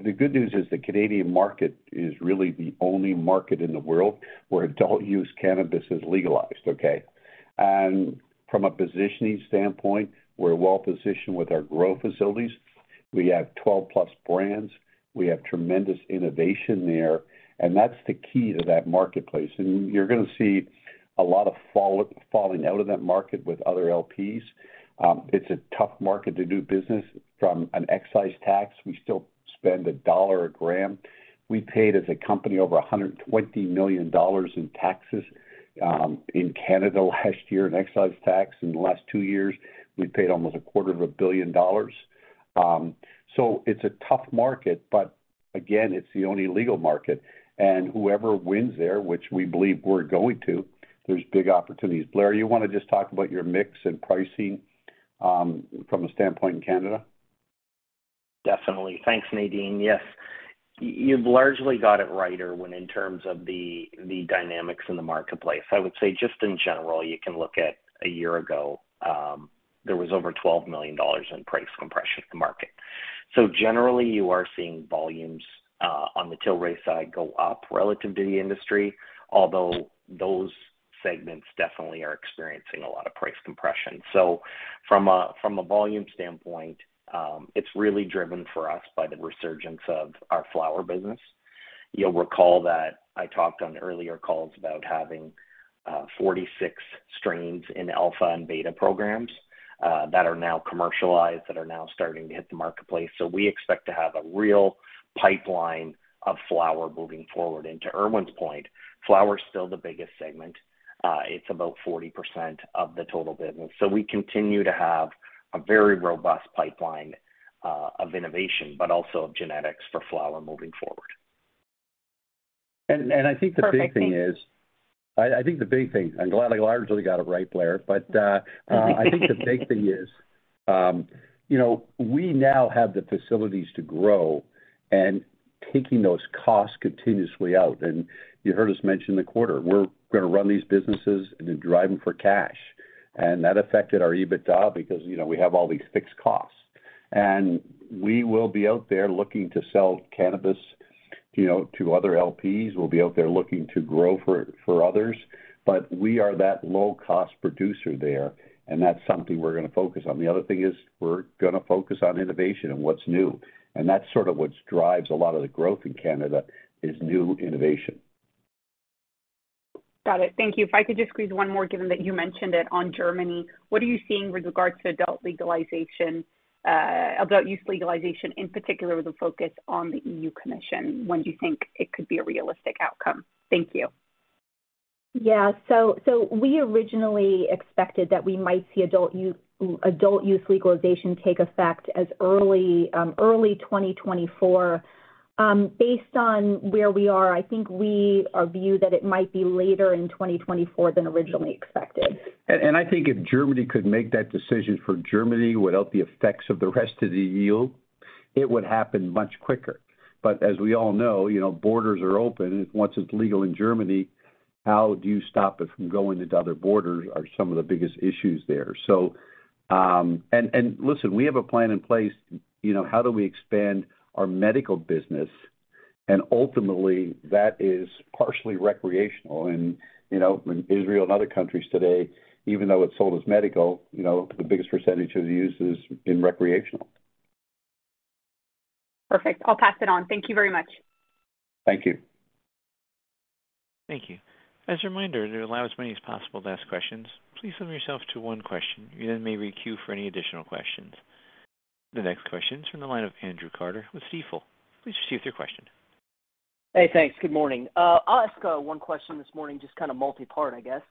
The good news is the Canadian market is really the only market in the world where adult use cannabis is legalized, okay? From a positioning standpoint, we're well-positioned with our growth facilities. We have 12+ brands. We have tremendous innovation there, and that's the key to that marketplace. You're gonna see a lot of falling out of that market with other LPs. It's a tough market to do business from an excise tax. We still spend $1 a gram. We paid, as a company, over $120 million in taxes, in Canada last year in excise tax. In the last two years, we paid almost a quarter of a billion dollars. It's a tough market, but again, it's the only legal market. Whoever wins there, which we believe we're going to, there's big opportunities. Blair, you wanna just talk about your mix and pricing from a standpoint in Canada? Definitely. Thanks, Nadine. Yes. You've largely got it right Irwin in terms of the dynamics in the marketplace. I would say just in general, you can look at a year ago, there was over $12 million in price compression in the market. Generally, you are seeing volumes on the Tilray side go up relative to the industry, although those segments definitely are experiencing a lot of price compression. From a volume standpoint, it's really driven for us by the resurgence of our flower business. You'll recall that I talked on earlier calls about having 46 strains in alpha and beta programs that are now commercialized, that are now starting to hit the marketplace. We expect to have a real pipeline of flower moving forward. To Irwin's point, flower's still the biggest segment. It's about 40% of the total business. We continue to have a very robust pipeline of innovation, but also of genetics for flower moving forward. I think the big thing is. Perfect. I'm glad I largely got it right, Blair. I think the big thing is, you know, we now have the facilities to grow and taking those costs continuously out. You heard us mention the quarter. We're gonna run these businesses and then drive them for cash. That affected our EBITDA because, you know, we have all these fixed costs. We will be out there looking to sell cannabis, you know, to other LPs. We'll be out there looking to grow for others. We are that low-cost producer there, and that's something we're gonna focus on. The other thing is we're gonna focus on innovation and what's new, and that's sort of what drives a lot of the growth in Canada is new innovation. Got it. Thank you. If I could just squeeze one more, given that you mentioned it on Germany. What are you seeing with regards to adult legalization, adult use legalization, in particular with a focus on the EU Commission? When do you think it could be a realistic outcome? Thank you. Yeah. We originally expected that we might see adult use legalization take effect as early 2024. Based on where we are, I think we are viewed that it might be later in 2024 than originally expected. I think if Germany could make that decision for Germany without the effects of the rest of the EU, it would happen much quicker. As we all know, you know, borders are open. Once it's legal in Germany, how do you stop it from going into other borders are some of the biggest issues there. Listen, we have a plan in place, you know, how do we expand our medical business? Ultimately, that is partially recreational. You know, in Israel and other countries today, even though it's sold as medical, you know, the biggest percentage of the use is in recreational. Perfect. I'll pass it on. Thank you very much. Thank you. Thank you. As a reminder, to allow as many as possible to ask questions, please limit yourself to one question. You then may queue for any additional questions. The next question is from the line of Andrew Carter with Stifel. Please proceed with your question. Hey, thanks. Good morning. I'll ask one question this morning, just kind of multi-part, I guess.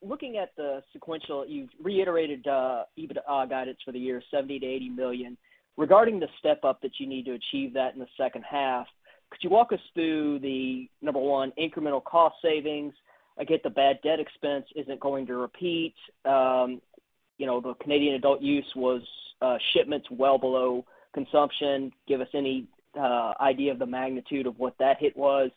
Looking at the sequential, you've reiterated EBITDA guidance for the year, $70 million-$80 million. Regarding the step-up that you need to achieve that in the second half, could you walk us through the, number one, incremental cost savings? I get the bad debt expense isn't going to repeat. You know, the Canadian adult use was shipments well below consumption. Give us any idea of the magnitude of what that hit was.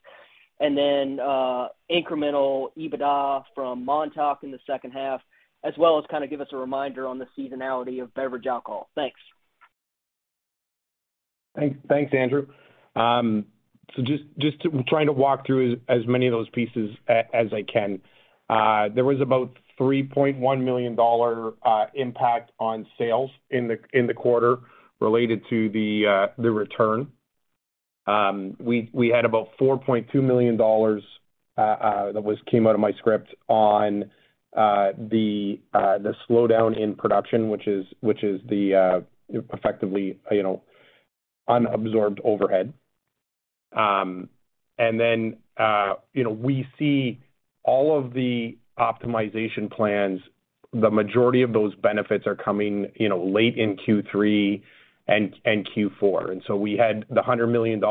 Incremental EBITDA from Montauk in the second half, as well as kind of give us a reminder on the seasonality of beverage alcohol. Thanks. Thanks, Andrew. Just trying to walk through as many of those pieces as I can. There was about $3.1 million impact on sales in the quarter related to the return. We had about $4.2 million that was came out of my script on the slowdown in production, which is effectively, you know, unabsorbed overhead. We see all of the optimization plans. The majority of those benefits are coming, you know, late in Q3 and Q4. We had the $100 million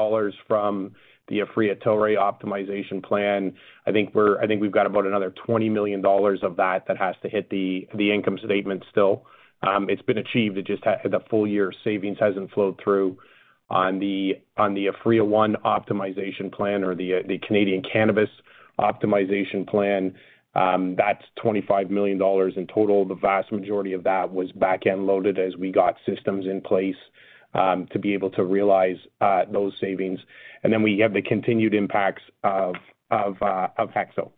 from the Aphria-Tilray optimization plan. I think we've got about another $20 million of that that has to hit the income statement still. It's been achieved. The full year savings hasn't flowed through. On the Aphria One optimization plan or the Canadian cannabis optimization plan, that's $25 million in total. The vast majority of that was back-end loaded as we got systems in place to be able to realize those savings. Then we have the continued impacts of HEXO.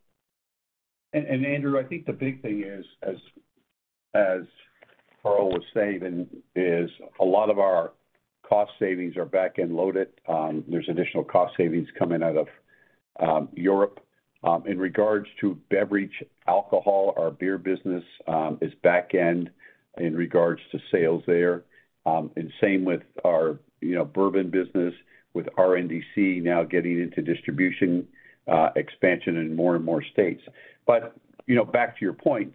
Andrew, I think the big thing is, as Carl was saying, is a lot of our cost savings are back-end loaded. There's additional cost savings coming out of Europe. In regards to beverage, alcohol, our beer business is back-end in regards to sales there. Same with our, you know, bourbon business with RNDC now getting into distribution expansion in more and more states. You know, back to your point,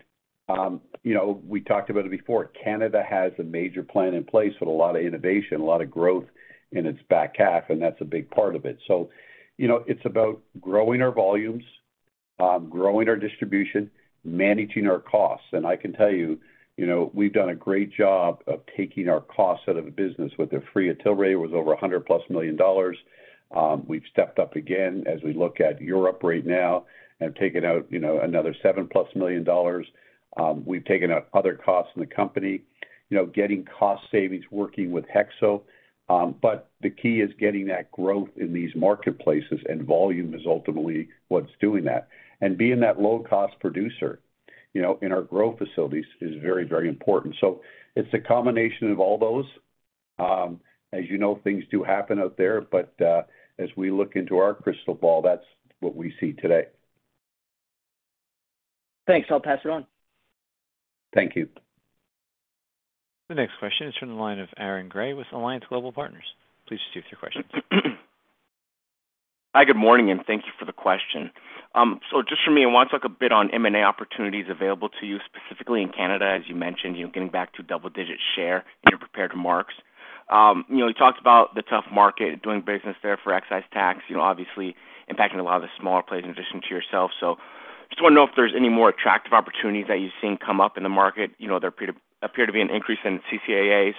you know, we talked about it before, Canada has a major plan in place with a lot of innovation, a lot of growth in its back half, and that's a big part of it. You know, it's about growing our volumes, growing our distribution, managing our costs. I can tell you know, we've done a great job of taking our costs out of the business with the free Tilray. It was over $100+ million. We've stepped up again as we look at Europe right now and taken out, you know, another $7+ million. We've taken out other costs in the company, you know, getting cost savings working with HEXO. The key is getting that growth in these marketplaces, and volume is ultimately what's doing that. Being that low-cost producer, you know, in our growth facilities is very, very important. It's a combination of all those. As you know, things do happen out there, but as we look into our crystal ball, that's what we see today. Thanks. I'll pass it on. Thank you. The next question is from the line of Aaron Grey with Alliance Global Partners. Please proceed with your question. Hi, good morning, thank you for the question. Just for me, I want to talk a bit on M&A opportunities available to you, specifically in Canada, as you mentioned, you know, getting back to double-digit share in your prepared remarks. You know, you talked about the tough market, doing business there for excise tax, you know, obviously impacting a lot of the smaller players in addition to yourself. Just want to know if there's any more attractive opportunities that you've seen come up in the market. You know, there appear to be an increase in the CCAA.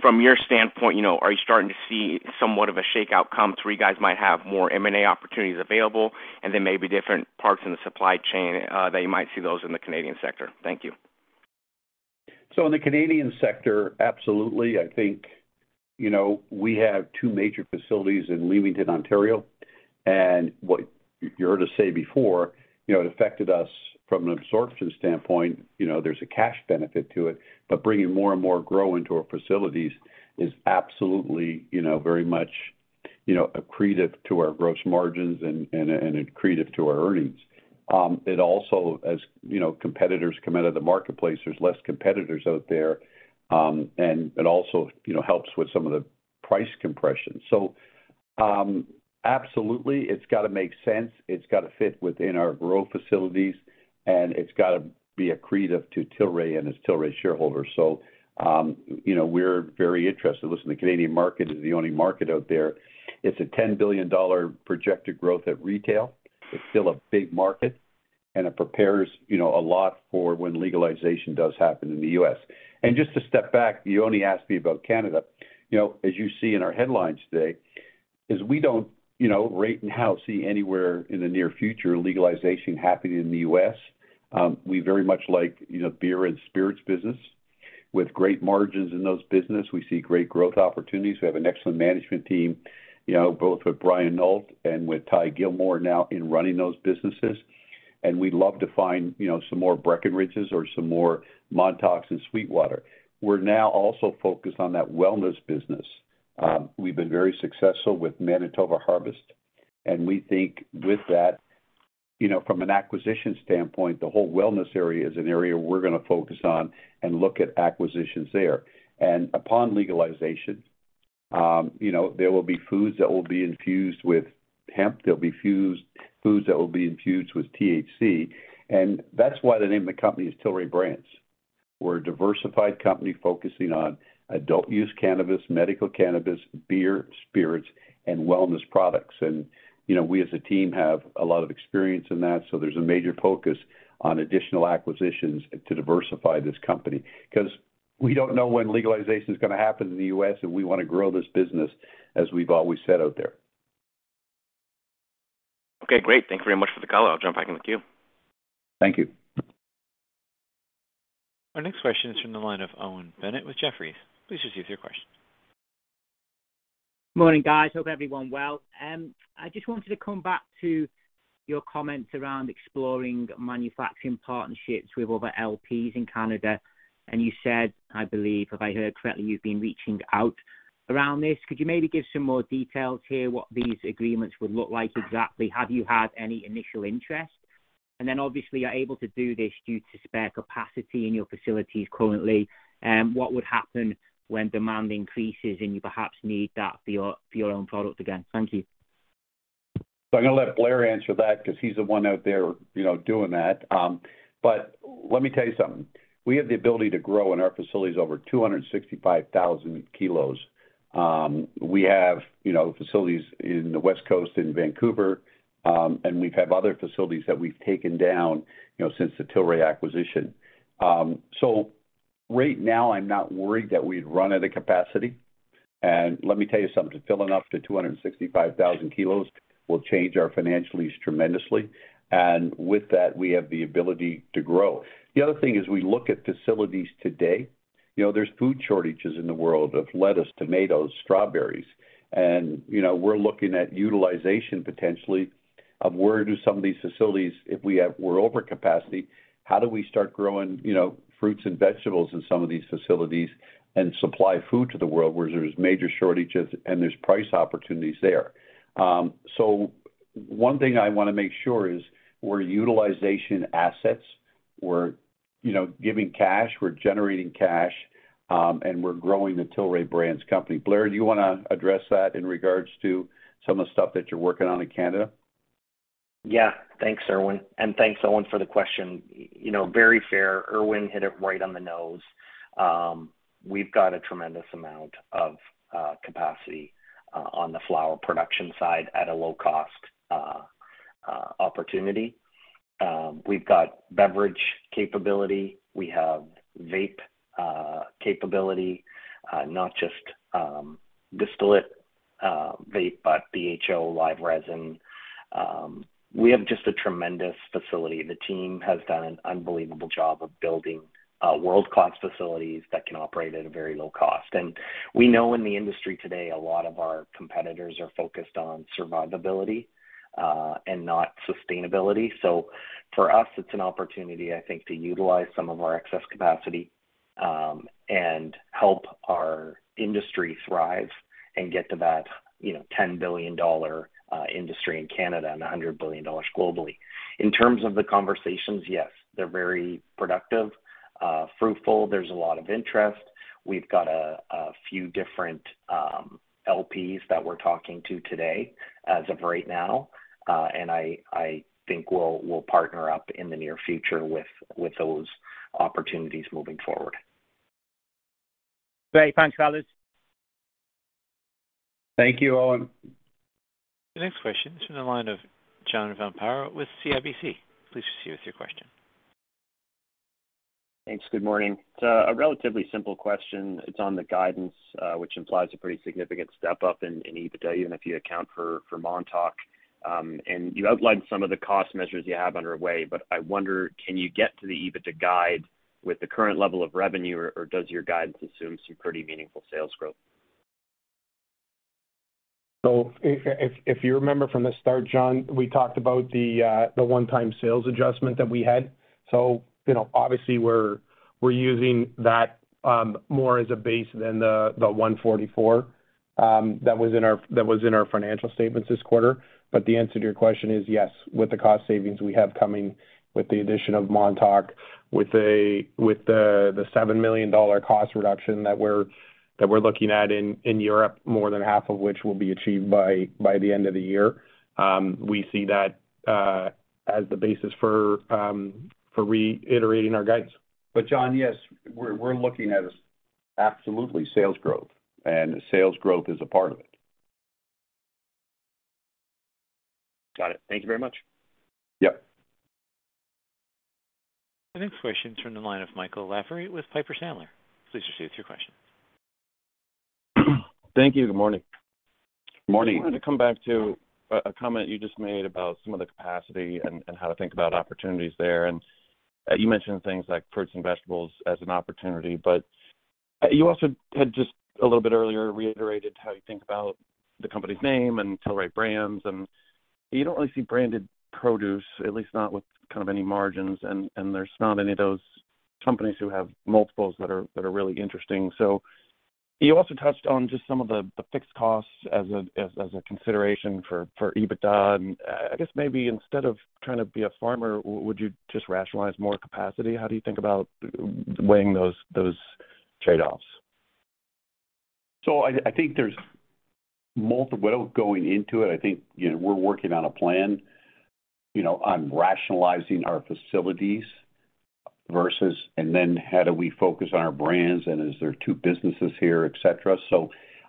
From your standpoint, you know, are you starting to see somewhat of a shakeout come through? You guys might have more M&A opportunities available, and there may be different parts in the supply chain that you might see those in the Canadian sector. Thank you. In the Canadian sector, absolutely. I think, you know, we have two major facilities in Leamington, Ontario. What you heard us say before, you know, it affected us from an absorption standpoint, you know, there's a cash benefit to it. Bringing more and more grow into our facilities is absolutely, you know, very much, you know, accretive to our gross margins and accretive to our earnings. It also, as, you know, competitors come out of the marketplace, there's less competitors out there, and it also, you know, helps with some of the price compression. Absolutely. It's got to make sense. It's got to fit within our growth facilities, and it's got to be accretive to Tilray and its Tilray shareholders. You know, we're very interested. Listen, the Canadian market is the only market out there. It's a $10 billion projected growth at retail. It's still a big market, it prepares, you know, a lot for when legalization does happen in the U.S. Just to step back, you only asked me about Canada. You know, as you see in our headlines today, is we don't, you know, right now see anywhere in the near future legalization happening in the U.S. We very much like, you know, beer and spirits business. With great margins in those business, we see great growth opportunities. We have an excellent management team, you know, both with Bryan Nolt and with Ty Gilmore now in running those businesses. We'd love to find, you know, some more Breckenridge's or some more Montauk's and SweetWater. We're now also focused on that wellness business. We've been very successful with Manitoba Harvest, and we think with that, you know, from an acquisition standpoint, the whole wellness area is an area we're gonna focus on and look at acquisitions there. Upon legalization, you know, there will be foods that will be infused with hemp. There'll be foods that will be infused with THC. That's why the name of the company is Tilray Brands. We're a diversified company focusing on adult use cannabis, medical cannabis, beer, spirits, and wellness products. You know, we as a team have a lot of experience in that, so there's a major focus on additional acquisitions to diversify this company. We don't know when legalization is gonna happen in the U.S., and we wanna grow this business, as we've always said out there. Okay, great. Thank you very much for the call. I'll jump back in the queue. Thank you. Our next question is from the line of Owen Bennett with Jefferies. Please proceed with your question. Morning, guys. Hope everyone well. I just wanted to come back to your comments around exploring manufacturing partnerships with other LPs in Canada. You said, I believe, if I heard correctly, you've been reaching out around this. Could you maybe give some more details here, what these agreements would look like exactly? Have you had any initial interest? Then obviously, you're able to do this due to spare capacity in your facilities currently. What would happen when demand increases and you perhaps need that for your own product again? Thank you. I'm gonna let Blair answer that because he's the one out there, you know, doing that. Let me tell you something. We have the ability to grow in our facilities over 265,000 kg. We have, you know, facilities in the West Coast in Vancouver, and we have other facilities that we've taken down, you know, since the Tilray acquisition. Right now I'm not worried that we'd run out of capacity. Let me tell you something, to fill it up to 265,000 kg will change our financial lease tremendously. With that, we have the ability to grow. The other thing is, we look at facilities today. You know, there's food shortages in the world of lettuce, tomatoes, strawberries. You know, we're looking at utilization potentially of where do some of these facilities, we're over capacity, how do we start growing, you know, fruits and vegetables in some of these facilities and supply food to the world where there's major shortages and there's price opportunities there? So one thing I wanna make sure is we're utilization assets. We're, you know, giving cash, we're generating cash, and we're growing the Tilray Brands company. Blair, do you wanna address that in regards to some of the stuff that you're working on in Canada? Yeah. Thanks, Irwin, and thanks, Owen, for the question. You know, very fair. Irwin hit it right on the nose. We've got a tremendous amount of capacity on the flower production side at a low cost opportunity. We've got beverage capability. We have vape capability, not just distillate vape, but BHO, live resin. We have just a tremendous facility. The team has done an unbelievable job of building world-class facilities that can operate at a very low cost. We know in the industry today, a lot of our competitors are focused on survivability and not sustainability. For us, it's an opportunity, I think, to utilize some of our excess capacity and help our industry thrive and get to that, you know, $10 billion industry in Canada and $100 billion globally. In terms of the conversations, yes, they're very productive, fruitful. There's a lot of interest. We've got a few different LPs that we're talking to today as of right now. I think we'll partner up in the near future with those opportunities moving forward. Great. Thanks, fellas. Thank you, Owen. The next question is from the line of John Zamparo with CIBC. Please proceed with your question. Thanks. Good morning. It's a relatively simple question. It's on the guidance, which implies a pretty significant step-up in EBITDA, even if you account for Montauk. You outlined some of the cost measures you have underway. I wonder, can you get to the EBITDA guide with the current level of revenue, or does your guidance assume some pretty meaningful sales growth? If you remember from the start, John, we talked about the one-time sales adjustment that we had. You know, obviously we're using that more as a base than the 144 that was in our financial statements this quarter. The answer to your question is yes. With the cost savings we have coming with the addition of Montauk, with the $7 million cost reduction that we're looking at in Europe, more than half of which will be achieved by the end of the year, we see that as the basis for reiterating our guidance. John, yes, we're looking at absolutely sales growth, and sales growth is a part of it. Got it. Thank you very much. Yep. The next question is from the line of Michael Lavery with Piper Sandler. Please proceed with your question. Thank you. Good morning. Morning. Just wanted to come back to a comment you just made about some of the capacity and how to think about opportunities there. You mentioned things like fruits and vegetables as an opportunity, but you also had just a little bit earlier reiterated how you think about the company's name and Tilray Brands, and you don't really see branded produce, at least not with kind of any margins. There's not any of those companies who have multiples that are really interesting. You also touched on just some of the fixed costs as a consideration for EBITDA. I guess maybe instead of trying to be a farmer, would you just rationalize more capacity? How do you think about weighing those trade-offs? I think there's multiple. Without going into it, I think, you know, we're working on a plan, you know, on rationalizing our facilities versus, and then how do we focus on our brands, and is there two businesses here, et cetera.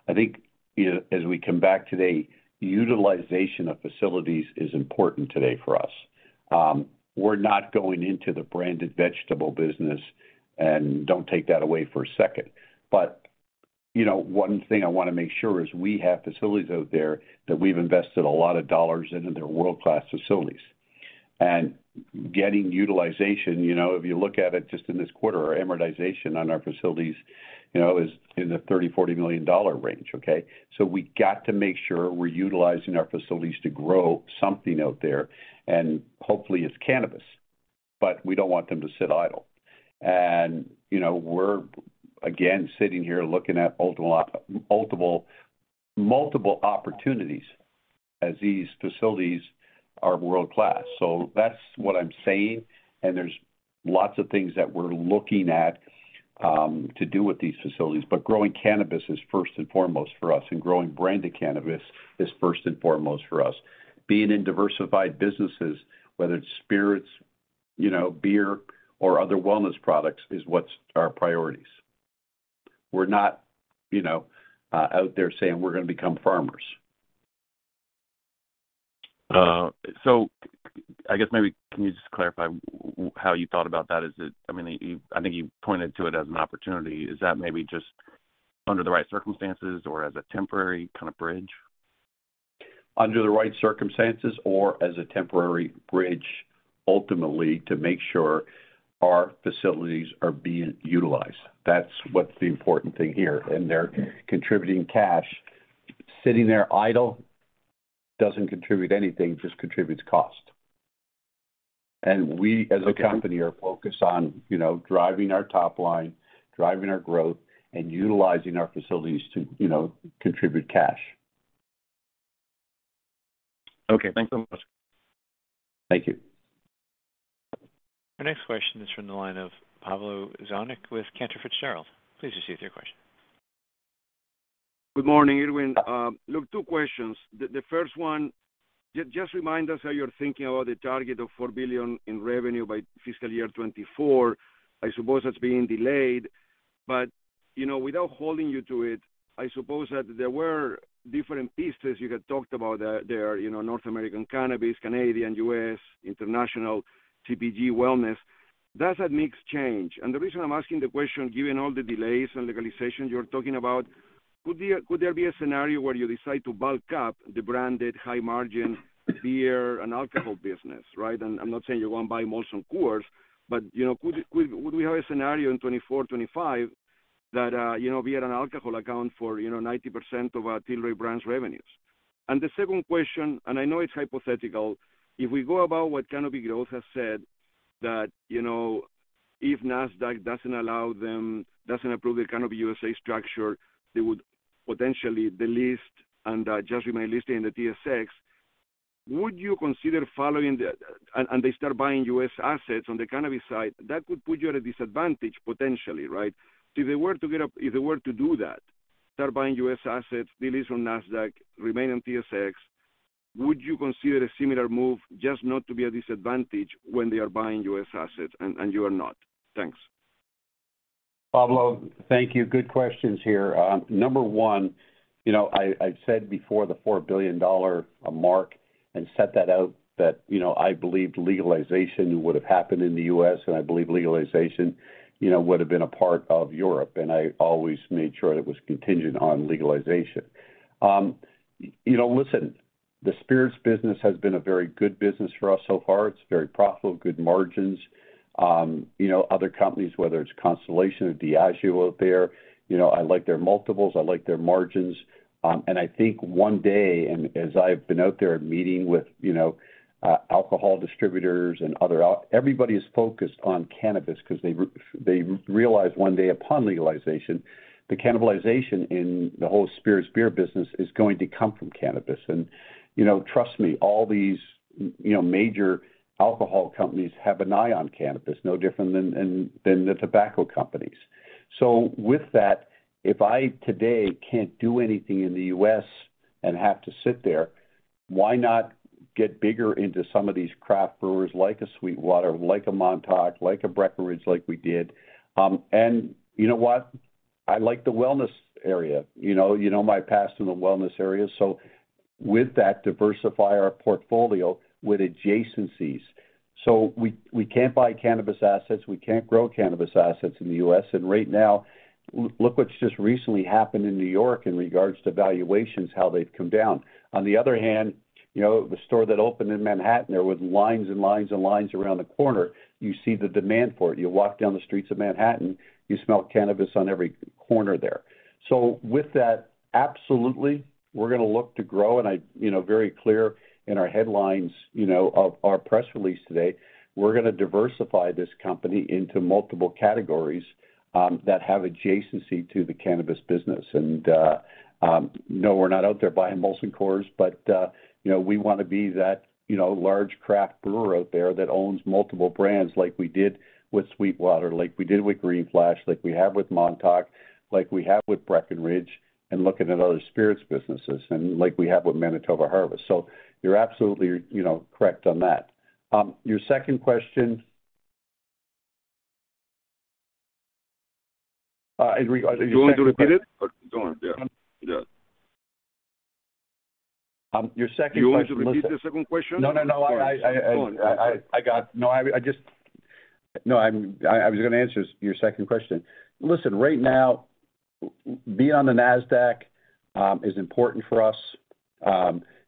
I think, you know, as we come back today, utilization of facilities is important today for us. We're not going into the branded vegetable business, and don't take that away for a second. But, you know, one thing I wanna make sure is we have facilities out there that we've invested a lot of dollars into. They're world-class facilities. Getting utilization, you know, if you look at it just in this quarter, our amortization on our facilities, you know, is in the $30 million-$40 million range, okay. We got to make sure we're utilizing our facilities to grow something out there, and hopefully it's cannabis. We don't want them to sit idle. You know, we're again sitting here looking at multiple opportunities as these facilities are world-class. That's what I'm saying, and there's lots of things that we're looking at to do with these facilities. Growing cannabis is first and foremost for us, and growing branded cannabis is first and foremost for us. Being in diversified businesses, whether it's spirits, you know, beer, or other wellness products, is what's our priorities. We're not, you know, out there saying we're gonna become farmers. I guess maybe can you just clarify how you thought about that? Is it, I mean, you, I think you pointed to it as an opportunity. Is that maybe just under the right circumstances or as a temporary kind of bridge? Under the right circumstances or as a temporary bridge, ultimately, to make sure our facilities are being utilized. That's what's the important thing here, and they're contributing cash. Sitting there idle doesn't contribute anything, just contributes cost. We as a company are focused on, you know, driving our top line, driving our growth, and utilizing our facilities to, you know, contribute cash. Okay. Thanks so much. Thank you. Our next question is from the line of Pablo Zuanic with Cantor Fitzgerald. Please proceed with your question. Good morning, Irwin. Look, two questions. The first one, just remind us how you're thinking about the target of $4 billion in revenue by fiscal year 2024. I suppose that's being delayed. You know, without holding you to it, I suppose that there were different pieces you had talked about. There are, you know, North American cannabis, Canadian, U.S., international, CPG, wellness. Does that mix change? The reason I'm asking the question, given all the delays on legalization you're talking about, could there be a scenario where you decide to bulk up the branded high margin beer and alcohol business, right? I'm not saying you're gonna buy Molson Coors, you know, could we have a scenario in 2024, 2025 that, you know, beer and alcohol account for, you know, 90% of Tilray Brands revenues? The second question, and I know it's hypothetical, if we go about what Canopy Growth has said, that, you know, if Nasdaq doesn't allow them, doesn't approve the Canopy USA structure, they would potentially delist and just remain listed in the TSX, would you consider following the... They start buying U.S. assets on the cannabis side, that would put you at a disadvantage potentially, right? If they were to do that, start buying U.S. assets, delist from Nasdaq, remain on TSX, would you consider a similar move just not to be at disadvantage when they are buying U.S. assets and you are not? Thanks. Pablo, thank you. Good questions here. number one, you know, I've said before the $4 billion mark and set that out that, you know, I believed legalization would have happened in the U.S. I believe legalization, you know, would have been a part of Europe. I always made sure it was contingent on legalization. you know, listen, the spirits business has been a very good business for us so far. It's very profitable, good margins. you know, other companies, whether it's Constellation or Diageo out there, you know, I like their multiples, I like their margins. I think one day, as I've been out there meeting with, you know, alcohol distributors and other out... Everybody is focused on cannabis because they realize one day upon legalization, the cannibalization in the whole spirits beer business is going to come from cannabis. You know, trust me, all these, you know, major alcohol companies have an eye on cannabis, no different than the tobacco companies. With that, if I today can't do anything in the U.S. and have to sit there, why not get bigger into some of these craft brewers like a SweetWater, like a Montauk, like a Breckenridge like we did? You know what? I like the wellness area, you know. You know my past in the wellness area. With that, diversify our portfolio with adjacencies. We can't buy cannabis assets, we can't grow cannabis assets in the U.S. Right now, look what's just recently happened in New York in regards to valuations, how they've come down. On the other hand, you know, the store that opened in Manhattan there with lines and lines around the corner, you see the demand for it. You walk down the streets of Manhattan, you smell cannabis on every corner there. With that, absolutely, we're gonna look to grow, and I. You know, very clear in our headlines, you know, of our press release today, we're gonna diversify this company into multiple categories that have adjacency to the cannabis business. No, we're not out there buying Molson Coors, but, you know, we wanna be that, you know, large craft brewer out there that owns multiple brands like we did with SweetWater, like we did with Green Flash, like we have with Montauk, like we have with Breckenridge, and looking at other spirits businesses, and like we have with Manitoba Harvest. You're absolutely, you know, correct on that. Your second question. Do you want me to repeat it? Go on. Yeah. Your second question. Do you want me to repeat the second question? No. I... Go on. I'm sorry. I was gonna answer your second question. Listen, right now, be on the Nasdaq is important for us,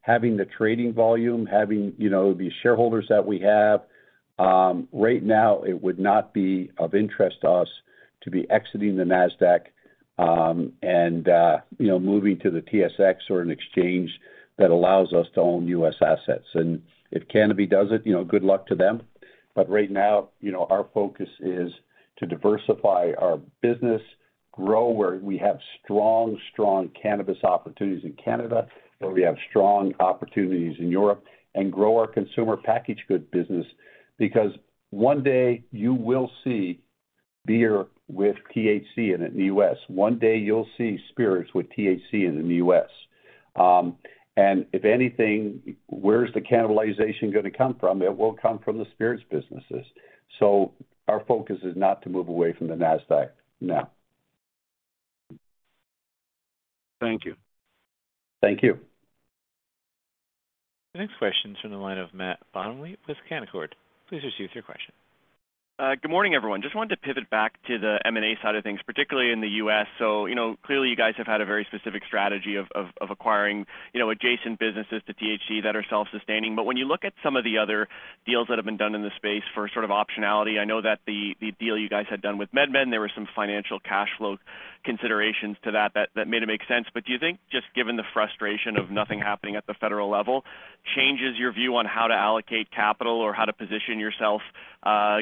having the trading volume, having, you know, the shareholders that we have. Right now it would not be of interest to us to be exiting the Nasdaq and, you know, moving to the TSX or an exchange that allows us to own U.S. assets. If Canopy does it, you know, good luck to them. Right now, you know, our focus is to diversify our business, grow where we have strong cannabis opportunities in Canada, where we have strong opportunities in Europe, and grow our consumer packaged good business. Because one day you will see beer with THC in it in the U.S. One day you'll see spirits with THC in the U.S. If anything, where's the cannibalization gonna come from? It will come from the spirits businesses. Our focus is not to move away from the Nasdaq now. Thank you. Thank you. The next question is from the line of Matt Bottomley with Canaccord. Please receive your question. Good m orning, everyone. Just wanted to pivot back to the M&A side of things, particularly in the U.S. You know, clearly you guys have had a very specific strategy of acquiring, you know, adjacent businesses to THC that are self-sustaining. When you look at some of the other deals that have been done in the space for sort of optionality, I know that the deal you guys had done with MedMen, there were some financial cash flow considerations to that made it make sense. Do you think, just given the frustration of nothing happening at the federal level, changes your view on how to allocate capital or how to position yourself,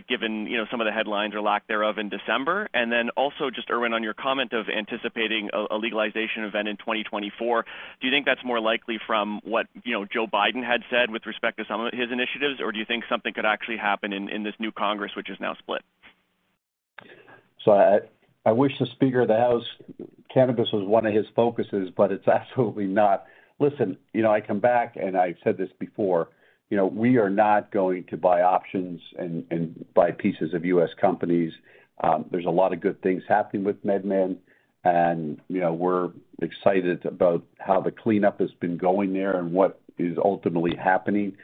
given, you know, some of the headlines or lack thereof in December? Also just, Irwin, on your comment of anticipating a legalization event in 2024, do you think that's more likely from what, you know, Joe Biden had said with respect to some of his initiatives? Or do you think something could actually happen in this new Congress which is now split? I wish the Speaker of the House, cannabis was one of his focuses, but it's absolutely not. You know, I come back and I've said this before, you know, we are not going to buy options and buy pieces of U.S. companies. There's a lot of good things happening with MedMen and, you know, we're excited about how the cleanup has been going there and what is ultimately happening.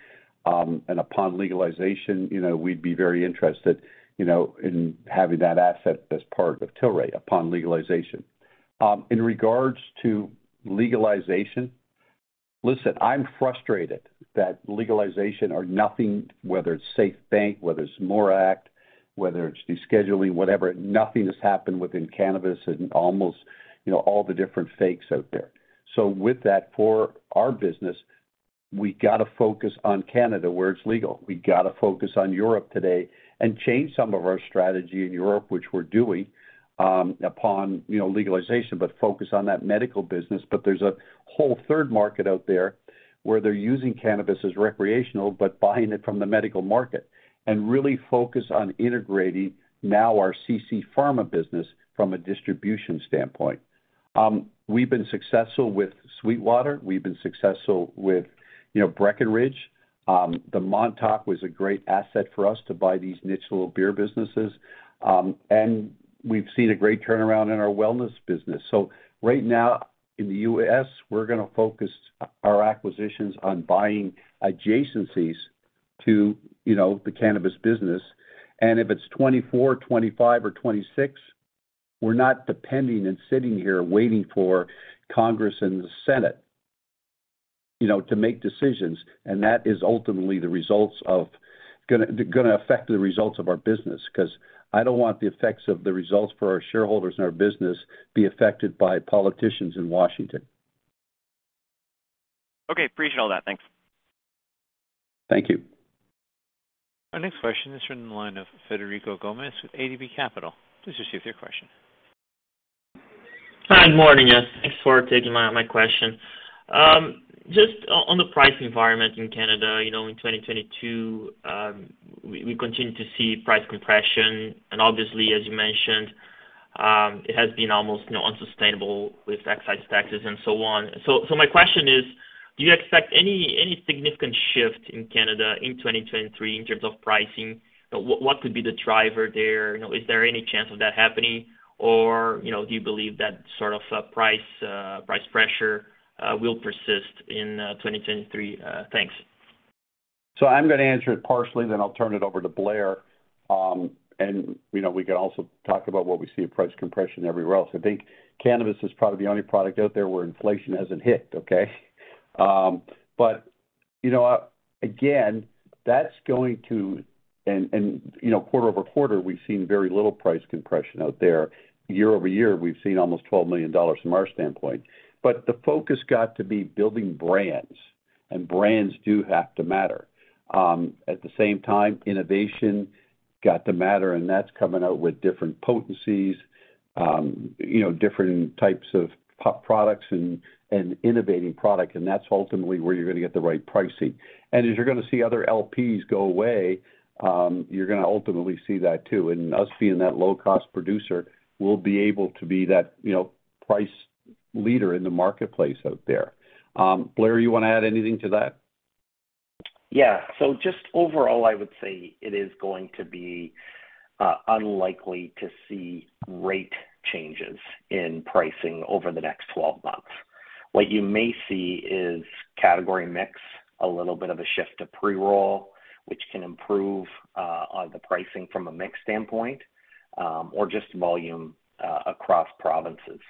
Upon legalization, you know, we'd be very interested, you know, in having that asset as part of Tilray upon legalization. In regards to legalization, listen, I'm frustrated that legalization or nothing, whether it's SAFE Bank, whether it's MORE Act, whether it's the scheduling, whatever, nothing has happened within cannabis and almost, you know, all the different fakes out there. With that, for our business, we gotta focus on Canada, where it's legal. We gotta focus on Europe today and change some of our strategy in Europe, which we're doing, you know, upon legalization, but focus on that medical business. There's a whole third market out there where they're using cannabis as recreational, but buying it from the medical market and really focus on integrating now our CC Pharma business from a distribution standpoint. We've been successful with SweetWater. We've been successful with, you know, Breckenridge. The Montauk was a great asset for us to buy these niche little beer businesses. We've seen a great turnaround in our wellness business. Right now in the U.S., we're gonna focus our acquisitions on buying adjacencies to, you know, the cannabis business. If it's 2024, 2025 or 2026, we're not depending and sitting here waiting for Congress and the Senate, you know, to make decisions. That is ultimately gonna affect the results of our business, 'cause I don't want the effects of the results for our shareholders and our business be affected by politicians in Washington. Okay. Appreciate all that. Thanks. Thank you. Our next question is from the line of Frederico Gomes with ATB Capital. Please proceed with your question. Hi. Morning. Thanks for taking my question. Just on the price environment in Canada, you know, in 2022, we continue to see price compression. Obviously, as you mentioned, it has been almost, you know, unsustainable with excise taxes and so on. My question is, do you expect any significant shift in Canada in 2023 in terms of pricing? What could be the driver there? You know, is there any chance of that happening? You know, do you believe that sort of price pressure will persist in 2023? Thanks. I'm gonna answer it partially then I'll turn it over to Blair. You know, we can also talk about what we see in price compression everywhere else. I think cannabis is probably the only product out there where inflation hasn't hit, okay? You know, again, quarter-over-quarter, we've seen very little price compression out there. Year-over-year, we've seen almost $12 million from our standpoint. The focus got to be building brands, and brands do have to matter. At the same time, innovation got to matter, and that's coming out with different potencies, you know, different types of products and innovating product, and that's ultimately where you're gonna get the right pricing. As you're gonna see other LPs go away, you're gonna ultimately see that too. Us being that low cost producer, we'll be able to be that, you know, price leader in the marketplace out there. Blair, you wanna add anything to that? Yeah. Just overall, I would say it is going to be unlikely to see rate changes in pricing over the next 12 months. What you may see is category mix, a little bit of a shift to pre-roll, which can improve on the pricing from a mix standpoint, or just volume across provinces.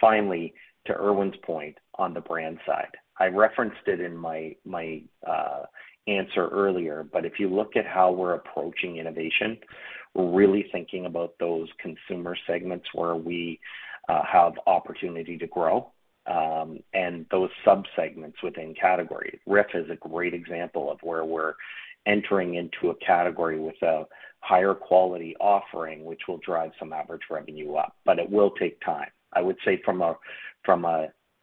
Finally, to Irwin's point on the brand side. I referenced it in my answer earlier, but if you look at how we're approaching innovation, we're really thinking about those consumer segments where we have opportunity to grow, and those subsegments within categories. RIFF is a great example of where we're entering into a category with a higher quality offering, which will drive some average revenue up, but it will take time. I would say from a,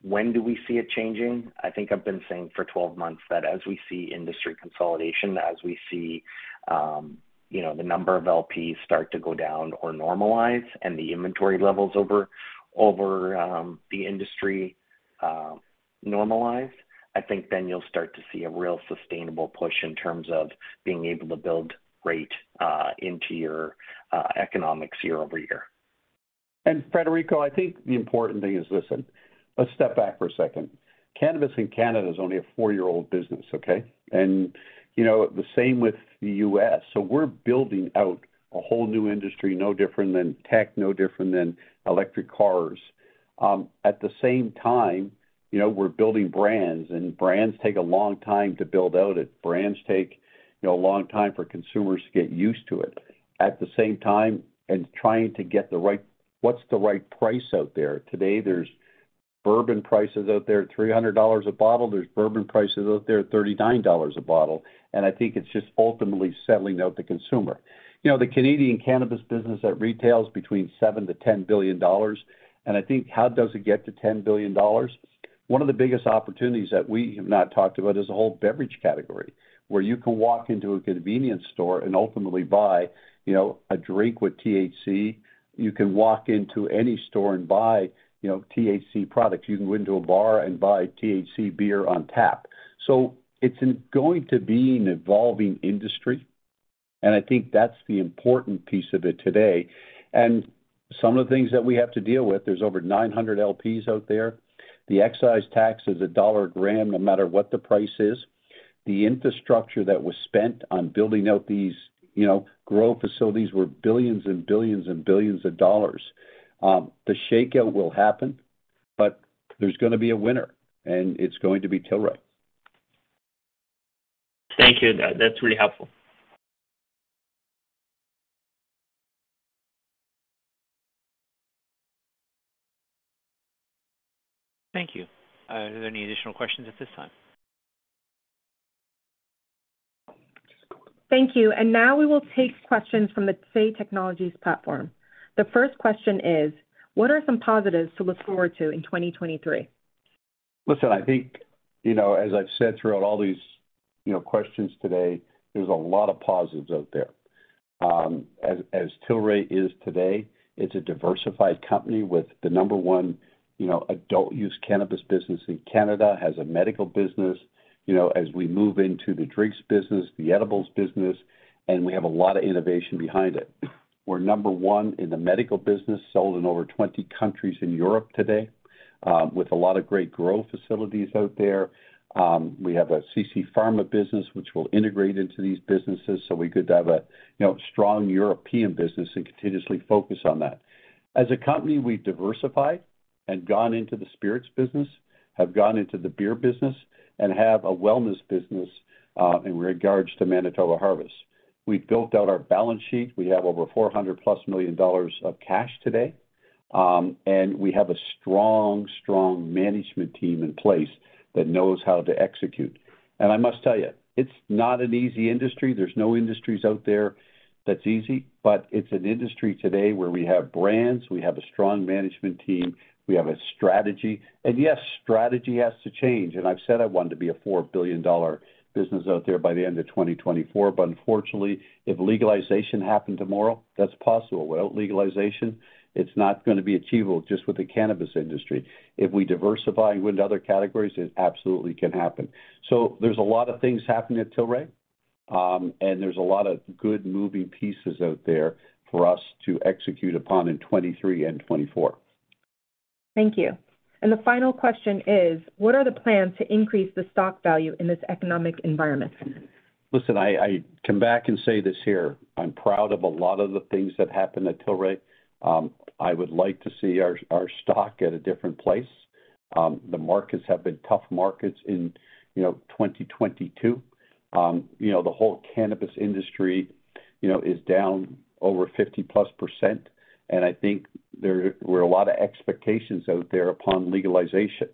when do we see it changing, I think I've been saying for 12 months that as we see industry consolidation, as we see, you know, the number of LPs start to go down or normalize and the inventory levels over the industry normalize, I think then you'll start to see a real sustainable push in terms of being able to build rate into your economics year-over-year. Federico, I think the important thing is, listen, let's step back for a second. Cannabis in Canada is only a four-year-old business, okay? You know, the same with the U.S. We're building out a whole new industry, no different than tech, no different than electric cars. At the same time, you know, we're building brands take a long time to build out. Brands take, you know, a long time for consumers to get used to it. At the same time, what's the right price out there? Today, there's bourbon prices out there, $300 a bottle. There's bourbon prices out there, $39 a bottle. I think it's just ultimately settling out the consumer. You know, the Canadian cannabis business that retails between $7 billion to $10 billion. I think how does it get to $10 billion? One of the biggest opportunities that we have not talked about is a whole beverage category, where you can walk into a convenience store and ultimately buy, you know, a drink with THC. You can walk into any store and buy, you know, THC products. You can go into a bar and buy THC beer on tap. It's going to be an evolving industry. I think that's the important piece of it today. Some of the things that we have to deal with, there's over 900 LPs out there. The excise tax is $1 a gram, no matter what the price is. The infrastructure that was spent on building out these, you know, grow facilities were billions and billions and billions of dollars. The shakeout will happen, but there's gonna be a winner, and it's going to be Tilray. Thank you. That's really helpful. Thank you. Are there any additional questions at this time? Thank you. Now we will take questions from the Say Technologies platform. The first question is: What are some positives to look forward to in 2023? Listen, I think, you know, as I've said throughout all these, you know, questions today, there's a lot of positives out there. As Tilray is today, it's a diversified company with the number one, you know, adult use cannabis business in Canada, has a medical business. You know, as we move into the drinks business, the edibles business, we have a lot of innovation behind it. We're number one in the medical business, sold in over 20 countries in Europe today, with a lot of great grow facilities out there. We have a CC Pharma business which will integrate into these businesses so we could have a, you know, strong European business and continuously focus on that. As a company, we've diversified and gone into the spirits business, have gone into the beer business and have a wellness business in regards to Manitoba Harvest. We've built out our balance sheet. We have over $400+ million of cash today, and we have a strong management team in place that knows how to execute. I must tell you, it's not an easy industry. There's no industries out there that's easy. It's an industry today where we have brands, we have a strong management team, we have a strategy. Yes, strategy has to change. I've said I want to be a $4 billion business out there by the end of 2024. Unfortunately, if legalization happened tomorrow, that's possible. Without legalization, it's not gonna be achievable just with the cannabis industry. If we diversify and go into other categories, it absolutely can happen. There's a lot of things happening at Tilray, and there's a lot of good moving pieces out there for us to execute upon in 2023 and 2024. Thank you. The final question is: What are the plans to increase the stock value in this economic environment? Listen, I come back and say this here, I'm proud of a lot of the things that happened at Tilray. I would like to see our stock at a different place. The markets have been tough markets in, you know, 2022. You know, the whole cannabis industry, you know, is down over 50%+. I think there were a lot of expectations out there upon legalization.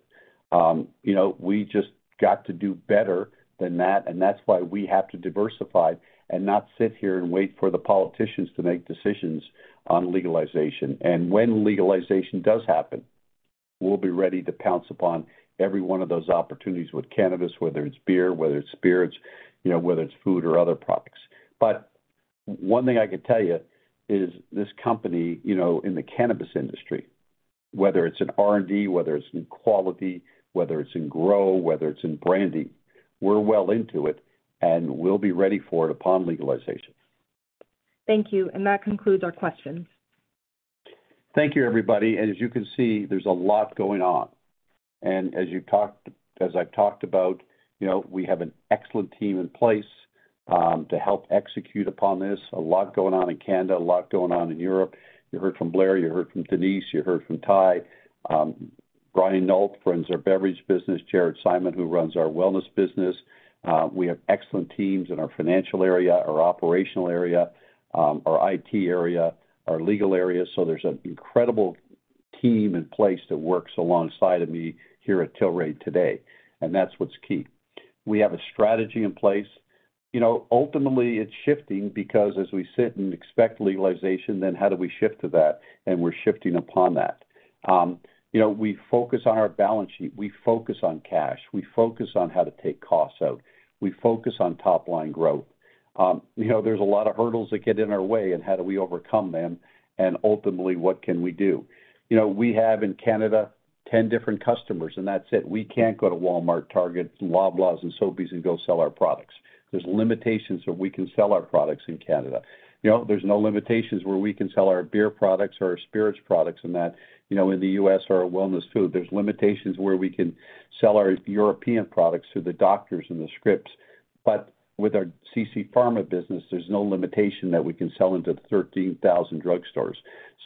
You know, we just got to do better than that, and that's why we have to diversify and not sit here and wait for the politicians to make decisions on legalization. When legalization does happen, we'll be ready to pounce upon every one of those opportunities with cannabis, whether it's beer, whether it's spirits, you know, whether it's food or other products. One thing I could tell you is this company, you know, in the cannabis industry, whether it's in R&D, whether it's in quality, whether it's in grow, whether it's in branding, we're well into it, and we'll be ready for it upon legalization. Thank you. That concludes our questions. Thank you, everybody. As you can see, there's a lot going on. As I've talked about, you know, we have an excellent team in place to help execute upon this. A lot going on in Canada, a lot going on in Europe. You heard from Blair, you heard from Denise, you heard from Ty. Bryan Nolt, who runs our beverage business, Jared Simon, who runs our wellness business. We have excellent teams in our financial area, our operational area, our IT area, our legal area. There's an incredible team in place that works alongside of me here at Tilray today, and that's what's key. We have a strategy in place. You know, ultimately, it's shifting because as we sit and expect legalization, then how do we shift to that? We're shifting upon that. You know, we focus on our balance sheet. We focus on cash. We focus on how to take costs out. We focus on top-line growth. You know, there's a lot of hurdles that get in our way, and how do we overcome them? Ultimately, what can we do? You know, we have in Canada 10 different customers and that's it. We can't go to Walmart, Target, Loblaws, and Sobeys and go sell our products. There's limitations where we can sell our products in Canada. You know, there's no limitations where we can sell our beer products or our spirits products in that, you know, in the U.S. or our wellness food. There's limitations where we can sell our European products through the doctors and the scripts. With our CC Pharma business, there's no limitation that we can sell into the 13,000 drugstores.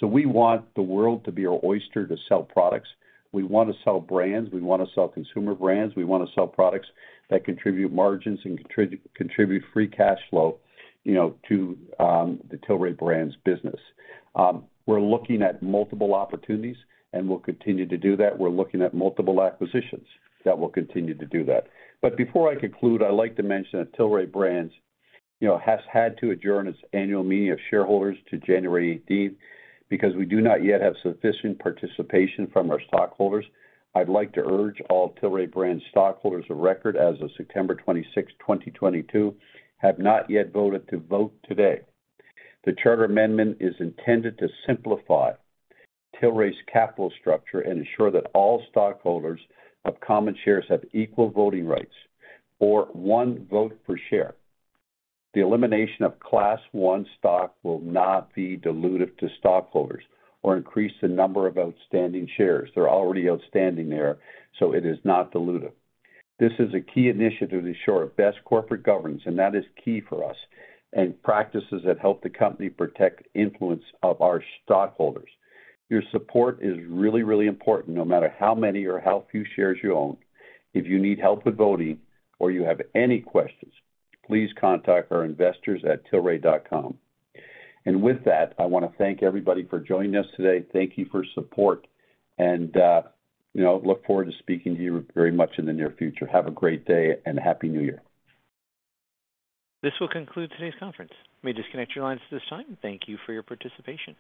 We want the world to be our oyster to sell products. We wanna sell brands, we wanna sell consumer brands, we wanna sell products that contribute margins and contribute free cash flow, you know, to the Tilray Brands business. We're looking at multiple opportunities, and we'll continue to do that. We're looking at multiple acquisitions that will continue to do that. Before I conclude, I'd like to mention that Tilray Brands, you know, has had to adjourn its annual meeting of shareholders to January 18th because we do not yet have sufficient participation from our stockholders. I'd like to urge all Tilray Brands stockholders of record as of September 26th, 2022 have not yet voted to vote today. The charter amendment is intended to simplify Tilray's capital structure and ensure that all stockholders of common shares have equal voting rights or one vote per share. The elimination of Class I stock will not be dilutive to stockholders or increase the number of outstanding shares. They're already outstanding there, so it is not dilutive. This is a key initiative to ensure best corporate governance, and that is key for us, and practices that help the company protect influence of our stockholders. Your support is really, really important, no matter how many or how few shares you own. If you need help with voting or you have any questions, please contact our investors at tilray.com. With that, I wanna thank everybody for joining us today. Thank you for your support, and, you know, look forward to speaking to you very much in the near future. Have a great day and Happy New Year. This will conclude today's conference. You may disconnect your lines at this time. Thank you for your participation.